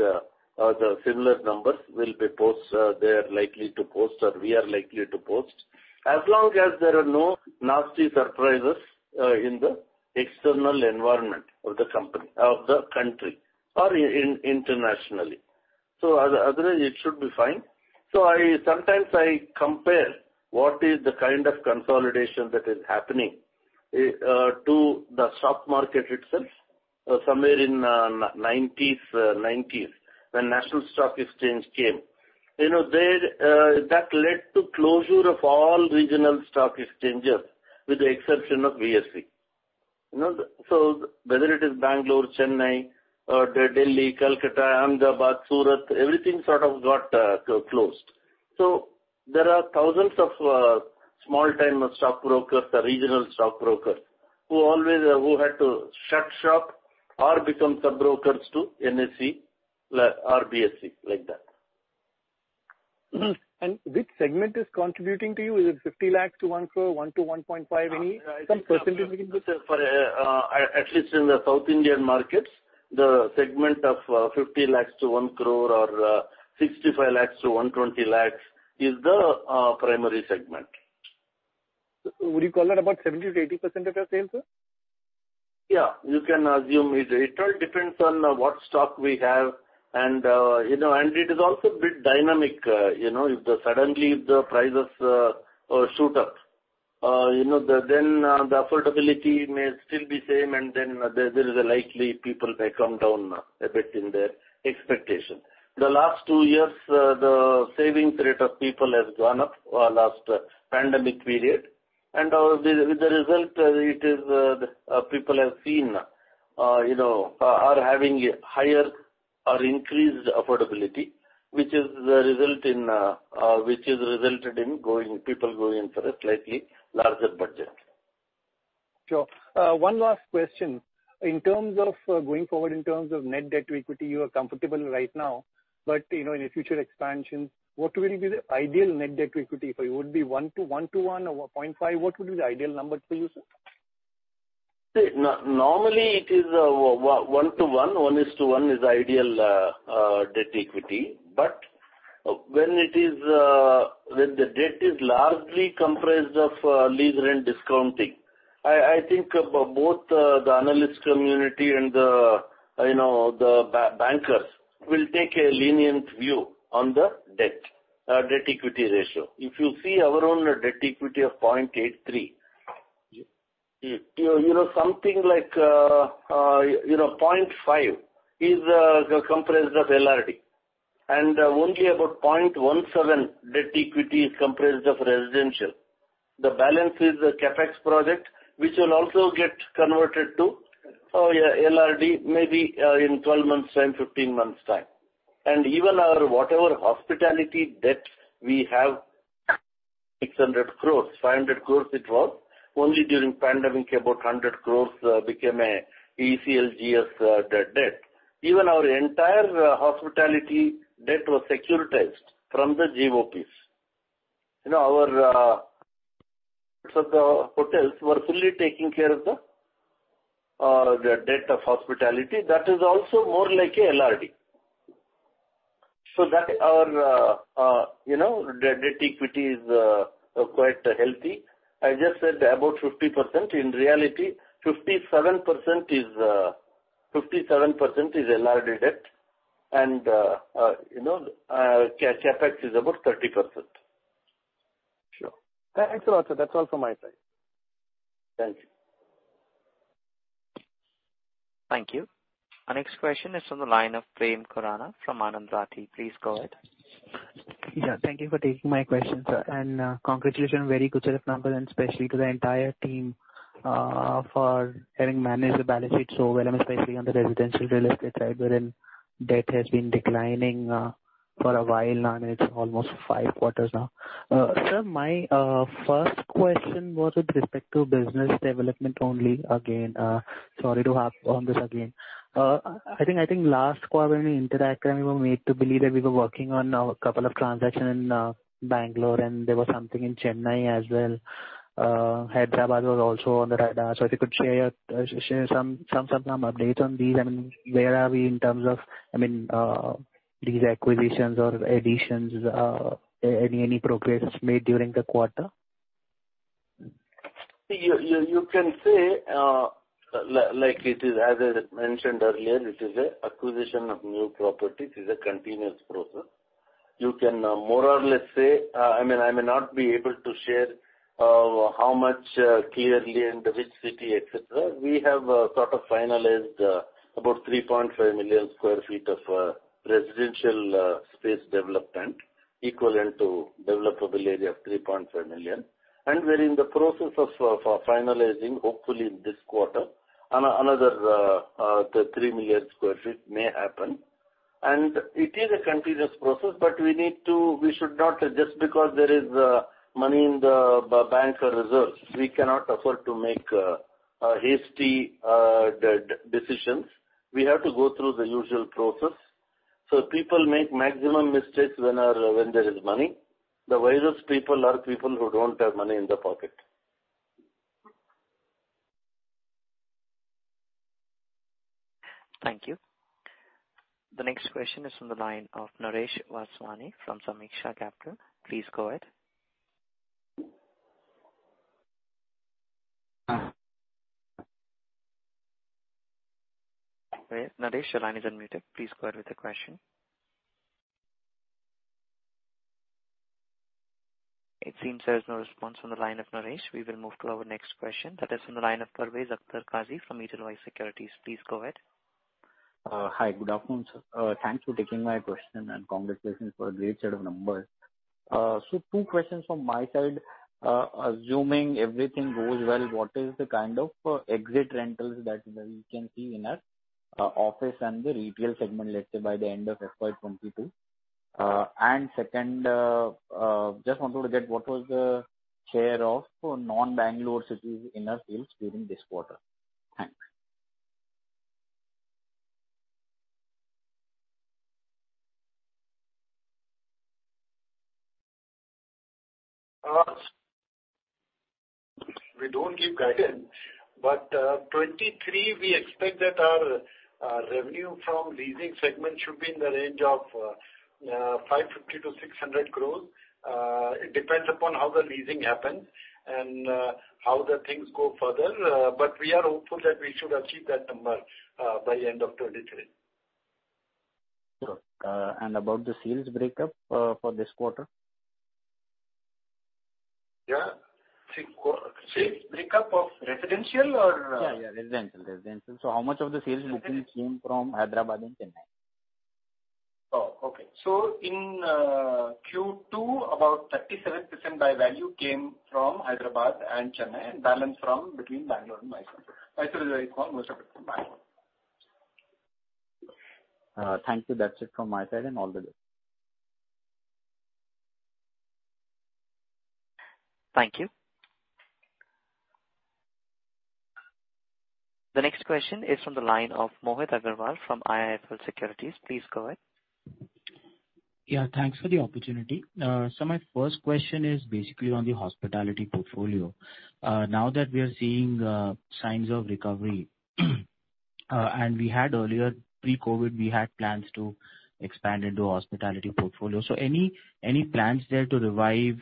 or the similar numbers they are likely to post or we are likely to post, as long as there are no nasty surprises in the external environment of the company, of the country or internationally. Otherwise it should be fine. I sometimes compare what is the kind of consolidation that is happening to the stock market itself somewhere in the nineties when National Stock Exchange came. You know, that led to closure of all regional stock exchanges with the exception of BSE. You know, whether it is Bangalore, Chennai or Delhi, Kolkata, Ahmedabad, Surat, everything sort of got closed. There are thousands of small-time stockbrokers or regional stockbrokers who had to shut shop or become sub-brokers to NSE or BSE, like that. Which segment is contributing to you? Is it 50 lakhs-1 crore, 1-1.5? Some percentage maybe. For at least in the South Indian markets, the segment of 50 lakhs-1 crore or 65 lakhs-120 lakhs is the primary segment. Would you call that about 70%-80% of your sales, sir? Yeah, you can assume. It all depends on what stock we have and, you know, and it is also a bit dynamic. You know, if suddenly the prices shoot up, you know, then the affordability may still be same, and then there is likely people may come down a bit in their expectation. The last two years, the savings rate of people has gone up, last pandemic period. With the result, people have seen, you know, are having a higher or increased affordability, which has resulted in people going for a slightly larger budget. Sure. One last question. In terms of going forward, in terms of net debt to equity, you are comfortable right now. You know, in the future expansions, what will be the ideal net debt to equity for you? Would it be 1:1 to 1:0.5? What would be the ideal number for you, sir? See, normally it is 1:1. 1:1 is ideal, debt equity. But when it is, when the debt is largely comprised of lease rental discounting, I think both the analyst community and, you know, the bankers will take a lenient view on the debt equity ratio. If you see our own debt equity of 0.83, you know, something like 0.5 is comprised of LRD, and only about 0.17 debt equity is comprised of residential. The balance is the CapEx project, which will also get converted to LRD maybe in 12 months time, 15 months time. Even our whatever hospitality debt we have, 600 crores, 500 crores it was. Only during pandemic, about 100 crores became ECLGS debt. Even our entire hospitality debt was securitized from the GOPs. You know, our parts of the hotels were fully taking care of the debt of hospitality. That is also more like LRD. That our you know debt equity is quite healthy. I just said about 50%. In reality, 57% is LRD debt and CapEx is about 30%. Sure. Thanks a lot, sir. That's all from my side. Thank you. Thank you. Our next question is from the line of Prem Khurana from Anand Rathi. Please go ahead. Yeah. Thank you for taking my question, sir. Congratulations, very good set of numbers, and especially to the entire team, for having managed the balance sheet so well, and especially on the residential real estate side, wherein debt has been declining, for a while now, and it's almost five quarters now. Sir, my first question was with respect to business development only again. Sorry to harp on this again. I think last quarter when we interacted, we were made to believe that we were working on a couple of transactions in Bangalore and there was something in Chennai as well. Hyderabad was also on the radar. If you could share some updates on these. I mean, where are we in terms of, I mean, these acquisitions or additions? Any progress made during the quarter? You can say, like it is as I mentioned earlier, it is an acquisition of new properties is a continuous process. You can more or less say, I mean, I may not be able to share how much clearly and which city, et cetera. We have sort of finalized about 3.5 million sq ft of residential space development, equivalent to developable area of 3.5 million. We're in the process of finalizing, hopefully in this quarter, another 3 million sq ft may happen. It is a continuous process, but we need to. We should not just because there is money in the bank or reserves, we cannot afford to make hasty decisions. We have to go through the usual process. People make maximum mistakes when there is money. The wisest people are people who don't have money in the pocket. Thank you. The next question is from the line of Naresh Vaswani from Sameeksha Capital. Please go ahead. Naresh, your line is unmuted. Please go ahead with your question. It seems there is no response from the line of Naresh. We will move to our next question. That is from the line of Parvez Akhtar Qazi from Edelweiss Securities. Please go ahead. Hi. Good afternoon, sir. Thanks for taking my question and congratulations for a great set of numbers. Two questions from my side. Assuming everything goes well, what is the kind of exit rentals that we can see in our office and the retail segment, let's say by the end of FY 2022? Second, just wanted to get what was the share of non-Bangalore cities in our sales during this quarter? Thanks. We don't give guidance, but 2023, we expect that our revenue from leasing segment should be in the range of 550 crores-600 crores. It depends upon how the leasing happens and how the things go further. We are hopeful that we should achieve that number by end of 2023. Sure. About the sales breakup for this quarter? Yeah. Sales breakup of residential or- Yeah, residential. How much of the sales bookings came from Hyderabad and Chennai? Oh, okay. In Q2, about 37% by value came from Hyderabad and Chennai, and balance from between Bangalore and Mysore. Mysore is very small, most of it from Bangalore. Thank you. That's it from my side and all the best. Thank you. The next question is from the line of Mohit Agrawal from IIFL Securities. Please go ahead. Yeah, thanks for the opportunity. My first question is basically on the hospitality portfolio. Now that we are seeing signs of recovery, and we had earlier pre-COVID, we had plans to expand into hospitality portfolio. Any plans there to revive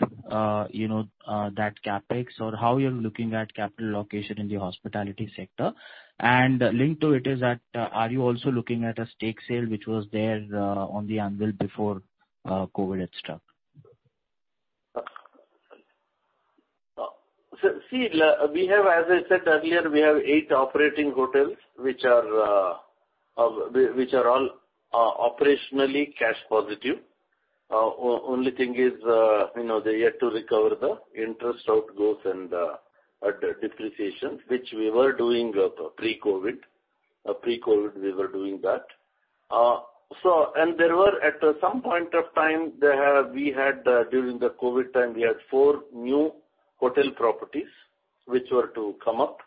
you know that CapEx, or how you're looking at capital allocation in the hospitality sector? And linked to it is that, are you also looking at a stake sale which was there on the anvil before COVID had struck? See, as I said earlier, we have eight operating hotels which are all operationally cash positive. Only thing is, you know, they're yet to recover the interest outgo and depreciation, which we were doing pre-COVID. Pre-COVID we were doing that. At some point of time, we had during the COVID time four new hotel properties which were to come up.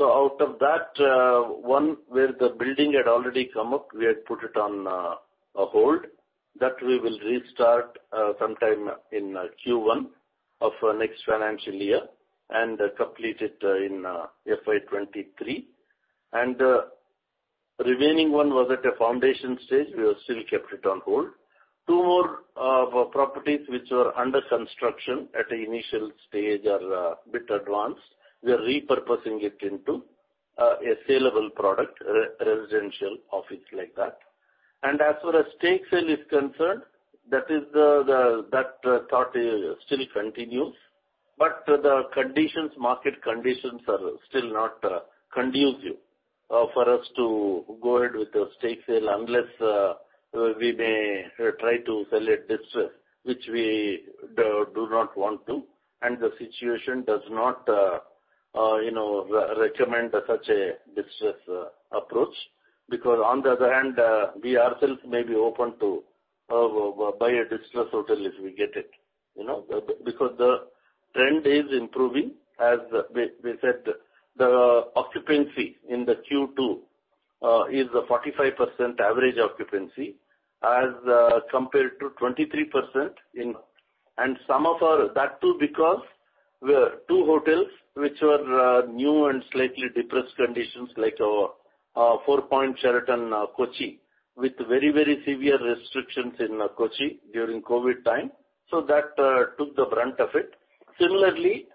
Out of that, one where the building had already come up, we had put it on a hold. That we will restart sometime in Q1 of next financial year and complete it in FY 2023. The remaining one was at a foundation stage. We have still kept it on hold. Two more properties which were under construction at initial stage are a bit advanced. We are repurposing it into a saleable product, residential office like that. As far as stake sale is concerned, that thought still continues. The conditions, market conditions are still not conducive for us to go ahead with the stake sale unless we may try to sell at distress, which we do not want to. The situation does not, you know, recommend such a distress approach. Because on the other hand, we ourselves may be open to buy a distressed hotel if we get it, you know. Because the trend is improving. As we said, the occupancy in the Q2 is 45% average occupancy as compared to 23% in... Some of our, that too because we have two hotels which were new and slightly depressed conditions like our Four Points by Sheraton Kochi with very severe restrictions in Kochi during COVID time, so that took the brunt of it. Similarly,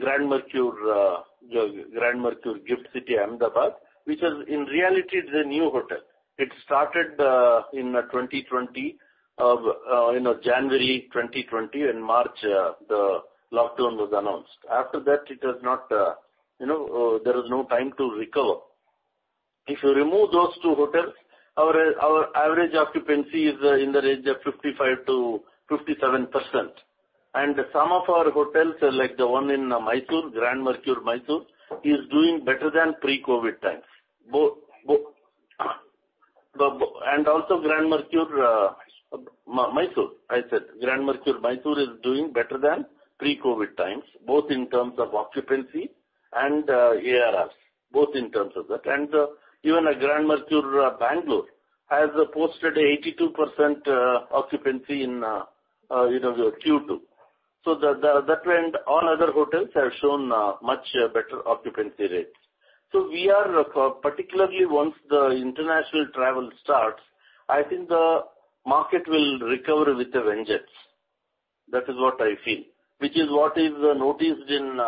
Grand Mercure Ahmedabad GIFT City, which in reality is a new hotel. It started in 2020, you know, January 2020. In March, the lockdown was announced. After that it has not, you know, there was no time to recover. If you remove those two hotels, our average occupancy is in the range of 55%-57%. Some of our hotels, like the one in Mysore, Grand Mercure Mysore, is doing better than pre-COVID times. Grand Mercure Mysore is doing better than pre-COVID times, both in terms of occupancy and ARRs, both in terms of that. Even Grand Mercure Bangalore has posted 82% occupancy in, you know, the Q2. That trend on other hotels have shown much better occupancy rates. We are particularly once the international travel starts, I think the market will recover with a vengeance. That is what I feel, which is what is noticed in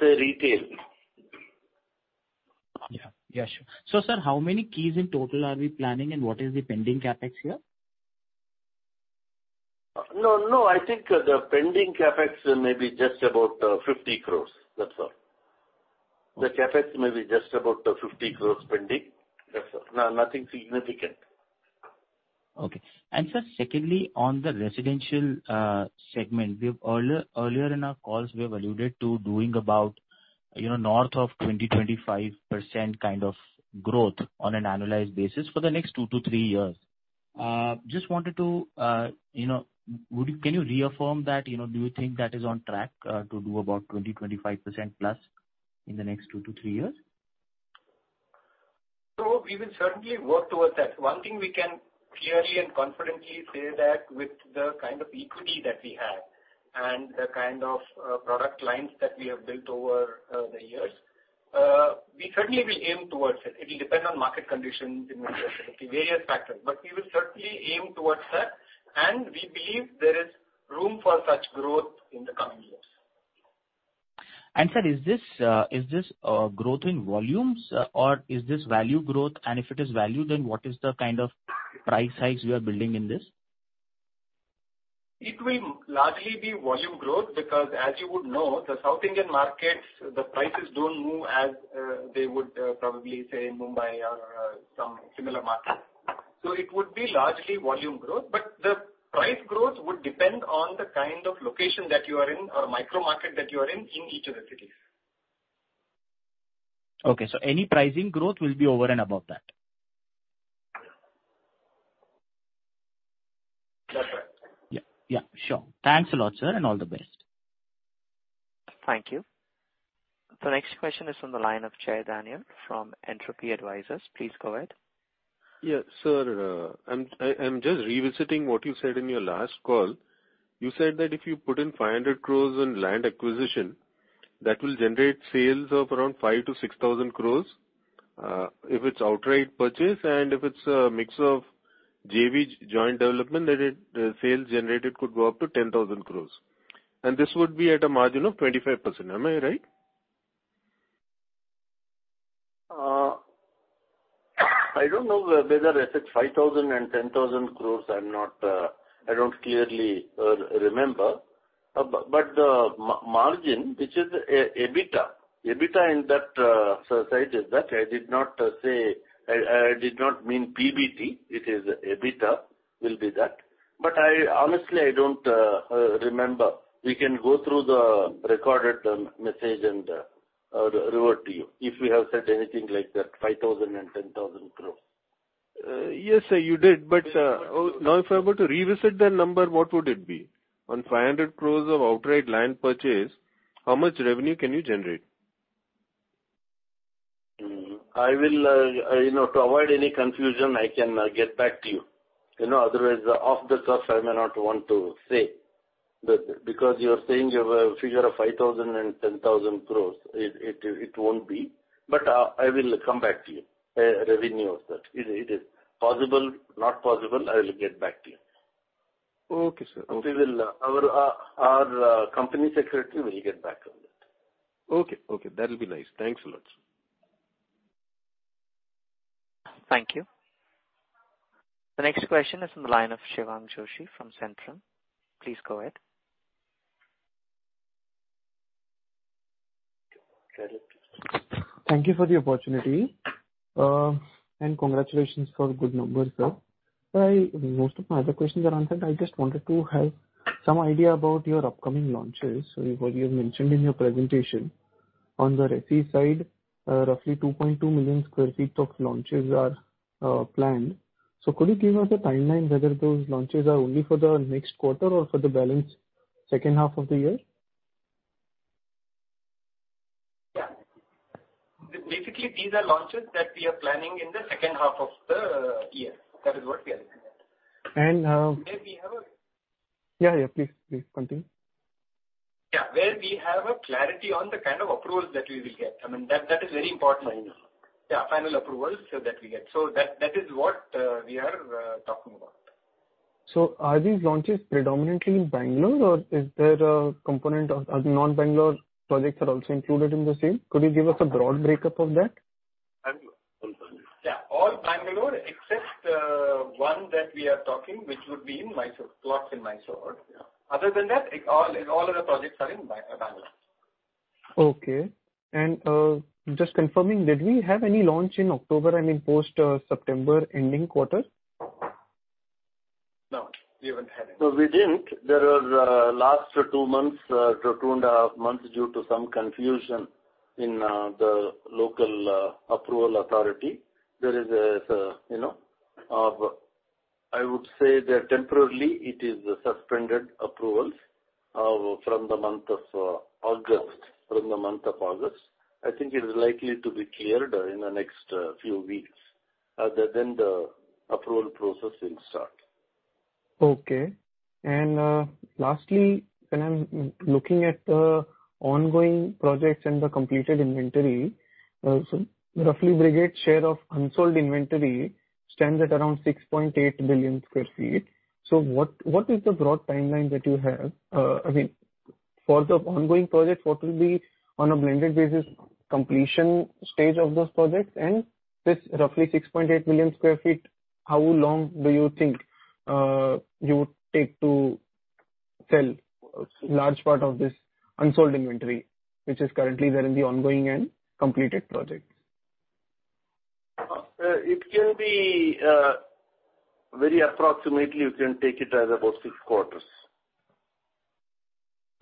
say retail. Yeah. Yeah, sure. Sir, how many keys in total are we planning, and what is the pending CapEx here? No, no, I think the pending CapEx may be just about 50 crores, that's all. The CapEx may be just about 50 crores pending. That's all. No, nothing significant. Okay. Sir, secondly, on the residential segment, we've earlier in our calls, we have alluded to doing about, you know, north of 20%-25% kind of growth on an annualized basis for the next two to three years. Just wanted to, you know, Can you reaffirm that? You know, do you think that is on track to do about 20%-25% plus in the next two to three years? We will certainly work towards that. One thing we can clearly and confidently say that with the kind of equity that we have and the kind of product lines that we have built over the years, we certainly will aim towards it. It will depend on market conditions in various factors, but we will certainly aim towards that, and we believe there is room for such growth in the coming years. Sir, is this growth in volumes or is this value growth? If it is value, then what is the kind of price hikes you are building in this? It will largely be volume growth because as you would know, the South Indian markets, the prices don't move as, they would, probably say in Mumbai or some similar markets. It would be largely volume growth. The price growth would depend on the kind of location that you are in or micro market that you are in in each of the cities. Okay. Any pricing growth will be over and above that. That's right. Yeah. Yeah, sure. Thanks a lot, sir, and all the best. Thank you. The next question is from the line of Jay Daniel from Entropy Advisors. Please go ahead. Yeah. Sir, I'm just revisiting what you said in your last call. You said that if you put in 500 crore in land acquisition, that will generate sales of around 5,000 crore-6,000 crore, if it's outright purchase, and if it's a mix of JV joint development, then the sales generated could go up to 10,000 crore. This would be at a margin of 25%. Am I right? I don't know whether I said 5,000 crore and 10,000 crore. I'm not, I don't clearly remember. The margin, which is EBITDA. EBITDA in that scenario is that I did not say. I did not mean PBT. It is EBITDA will be that. I honestly don't remember. We can go through the recorded message and revert to you if we have said anything like that, 5,000 crore and 10,000 crore. Yes, sir, you did. Now, if I were to revisit that number, what would it be? On 500 crore of outright land purchase, how much revenue can you generate? I will, you know, to avoid any confusion, I can get back to you. You know, otherwise, off the cuff, I may not want to say that because you're saying you have a figure of 5,000 crore-10,000 crore. It won't be. I will come back to you. Revenue of that. It is possible, not possible, I will get back to you. Okay, sir. We will. Our Company Secretary will get back on that. Okay. Okay, that'll be nice. Thanks a lot, sir. Thank you. The next question is from the line of Shivam Joshi from Centrum. Please go ahead. Thank you for the opportunity, and congratulations for good numbers, sir. Most of my other questions are answered. I just wanted to have some idea about your upcoming launches. What you mentioned in your presentation on the RE side, roughly 2.2 million sq ft of launches are planned. Could you give us a timeline whether those launches are only for the next quarter or for the balance second half of the year? Yeah. Basically, these are launches that we are planning in the second half of the year. That is what we are looking at. And, um- Where we have a- Yeah, yeah. Please, please continue. Yeah. Where we have a clarity on the kind of approvals that we will get. I mean, that is very important. Yeah, final approvals that we get. That is what we are talking about. Are these launches predominantly in Bangalore or is there a component of non-Bangalore projects also included in the sale? Could you give us a broad break-up of that? Yeah. All Bangalore except one that we are talking, which would be in Mysore. Plots in Mysore. Other than that, all other projects are in Bangalore. Okay. Just confirming, did we have any launch in October and in post September ending quarter? No, we haven't had any. No, we didn't. There are last two months, 2.5 months due to some confusion in the local approval authority. There is a, you know, I would say that temporarily it is suspended approvals from the month of August. I think it is likely to be cleared in the next few weeks. Other than the approval process will start. Okay. Lastly, when I'm looking at the ongoing projects and the completed inventory, roughly Brigade share of unsold inventory stands at around 6.8 million sq ft. What is the broad timeline that you have? I mean, for the ongoing projects, what will be on a blended basis completion stage of those projects? This roughly 6.8 million sq ft, how long do you think you would take to sell large part of this unsold inventory, which is currently there in the ongoing and completed projects? It can be very approximately you can take it as about six quarters.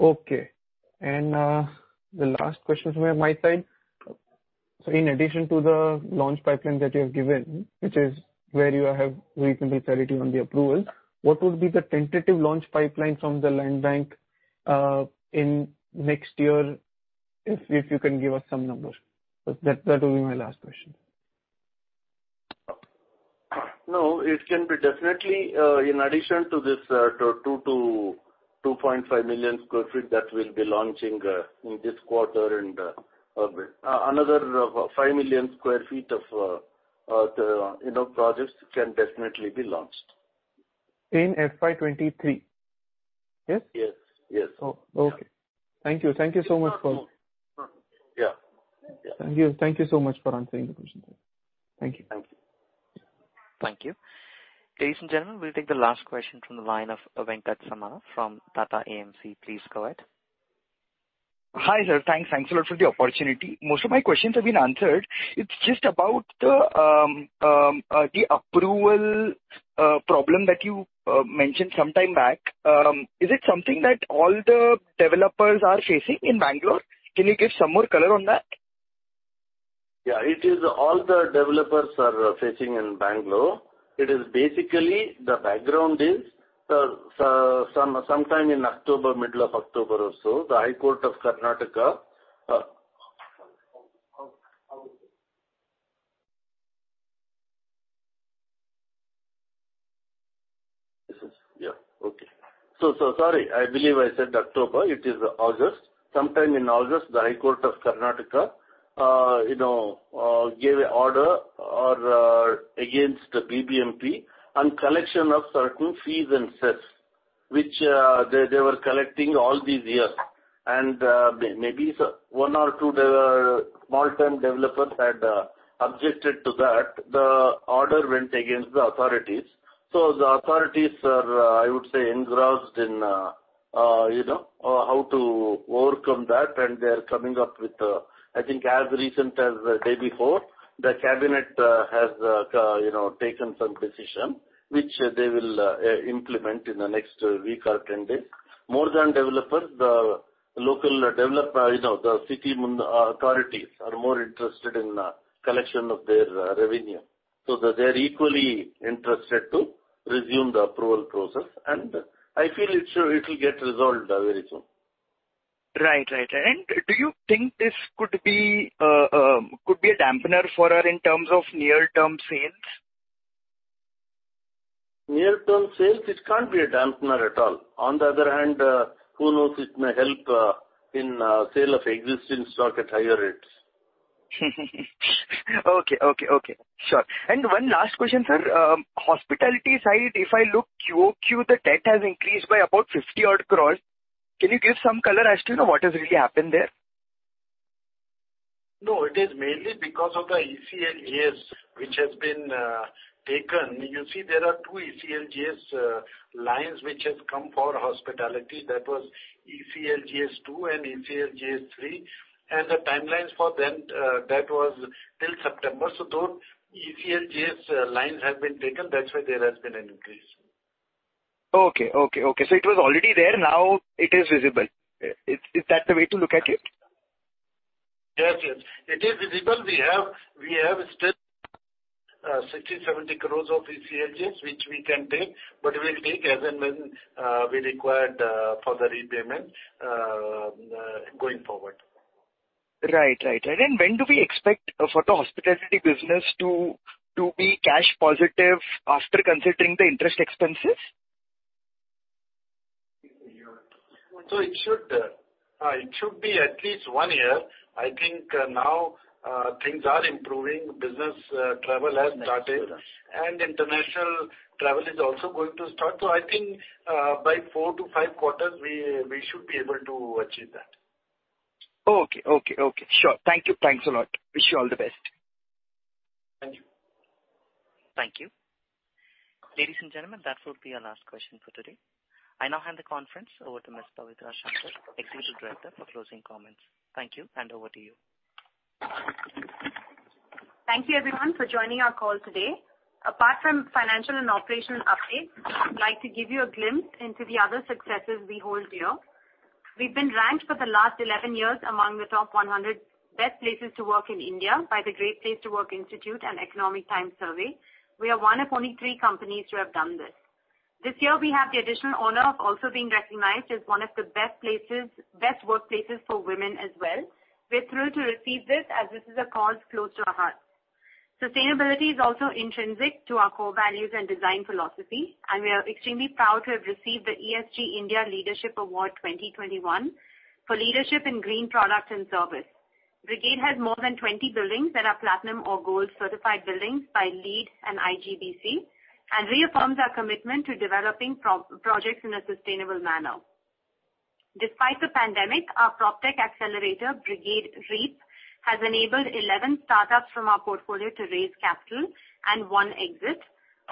Okay. The last question from my side. In addition to the launch pipeline that you have given, which is where you have reasonable clarity on the approval, what would be the tentative launch pipeline from the land bank in next year? If you can give us some numbers. That will be my last question. No, it can be definitely in addition to this 2 million-2.5 million sq ft that we'll be launching in this quarter and another 5 million sq ft of, you know, projects can definitely be launched. In FY 2023. Yes? Yes, yes. Oh, okay. Thank you. Thank you so much for- Yeah, yeah. Thank you. Thank you so much for answering the question. Thank you. Thank you. Thank you. Ladies and gentlemen, we'll take the last question from the line of Venkat Samala from Tata AMC. Please go ahead. Hi, sir. Thanks. Thanks a lot for the opportunity. Most of my questions have been answered. It's just about the approval problem that you mentioned some time back. Is it something that all the developers are facing in Bangalore? Can you give some more color on that? Yeah, it is all the developers are facing in Bangalore. It is basically the background is, sometime in October, middle of October or so, the High Court of Karnataka. I believe I said October, it is August. Sometime in August, the High Court of Karnataka gave an order against the BBMP on collection of certain fees and cess, which they were collecting all these years. Maybe one or two small term developers had objected to that. The order went against the authorities. The authorities are, I would say, engrossed in how to overcome that, and they're coming up with, I think as recent as the day before, the cabinet has taken some decision which they will implement in the next week or 10 days. More than developers, the local developer, you know, the city municipal authorities are more interested in collection of their revenue. They're equally interested to resume the approval process, and I feel it's, it'll get resolved very soon. Right. Do you think this could be a dampener for in terms of near-term sales? Near-term sales, it can't be a dampener at all. On the other hand, who knows, it may help in sale of existing stock at higher rates. Okay. Sure. One last question, sir. Hospitality side, if I look QOQ, the debt has increased by about 50-odd crores. Can you give some color as to, you know, what has really happened there? No, it is mainly because of the ECLGS which has been taken. You see, there are two ECLGS lines which has come for hospitality. That was ECLGS two and ECLGS three. The timelines for them that was till September. Those ECLGS lines have been taken. That's why there has been an increase. Okay. It was already there. Now it is visible. Is that the way to look at it? Yes, yes. It is visible. We have still 60 crore-70 crore of ECLGS which we can take, but we'll take as and when we require for the repayment going forward. Right. When do we expect for the hospitality business to be cash positive after considering the interest expenses? It should be at least one year. I think now things are improving. Business travel has started and international travel is also going to start. I think, by four to five quarters, we should be able to achieve that. Okay. Sure. Thank you. Thanks a lot. Wish you all the best. Thank you. Thank you. Ladies and gentlemen, that will be our last question for today. I now hand the conference over to Ms. Pavitra Shankar, Executive Director, for closing comments. Thank you, and over to you. Thank you everyone for joining our call today. Apart from financial and operational updates, I'd like to give you a glimpse into the other successes we hold dear. We've been ranked for the last 11 years among the top 100 best places to work in India by the Great Place to Work Institute and The Economic Times survey. We are one of only three companies to have done this. This year we have the additional honor of also being recognized as one of the best places, best workplaces for women as well. We're thrilled to receive this as this is a cause close to our hearts. Sustainability is also intrinsic to our core values and design philosophy, and we are extremely proud to have received the ESG India Leadership Award 2021 for leadership in green product and service. Brigade has more than 20 buildings that are platinum or gold certified buildings by LEED and IGBC, and reaffirms our commitment to developing projects in a sustainable manner. Despite the pandemic, our PropTech accelerator, Brigade REAP, has enabled 11 startups from our portfolio to raise capital and one exit.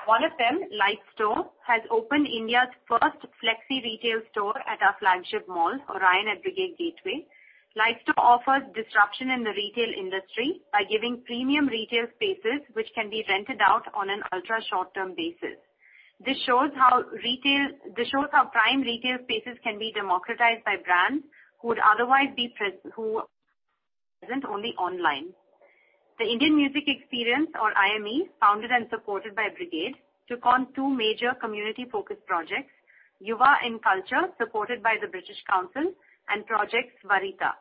One of them, LiteStore, has opened India's first flexi-retail store at our flagship mall, Orion Mall at Brigade Gateway. LiteStore offers disruption in the retail industry by giving premium retail spaces which can be rented out on an ultra short-term basis. This shows how prime retail spaces can be democratized by brands who would otherwise be who present only online. The Indian Music Experience, or IME, founded and supported by Brigade, took on two major community-focused projects, Yuva in Culture, supported by the British Council, and Project Svarita.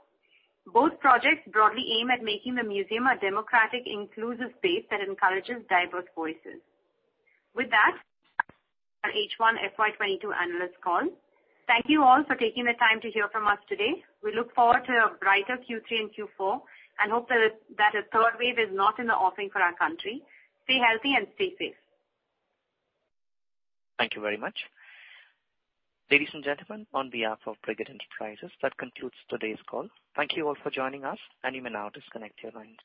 Both projects broadly aim at making the museum a democratic, inclusive space that encourages diverse voices. With that, our H1 FY 2022 analyst call. Thank you all for taking the time to hear from us today. We look forward to a brighter Q3 and Q4 and hope that a third wave is not in the offering for our country. Stay healthy and stay safe. Thank you very much. Ladies and gentlemen, on behalf of Brigade Enterprises, that concludes today's call. Thank you all for joining us, and you may now disconnect your lines.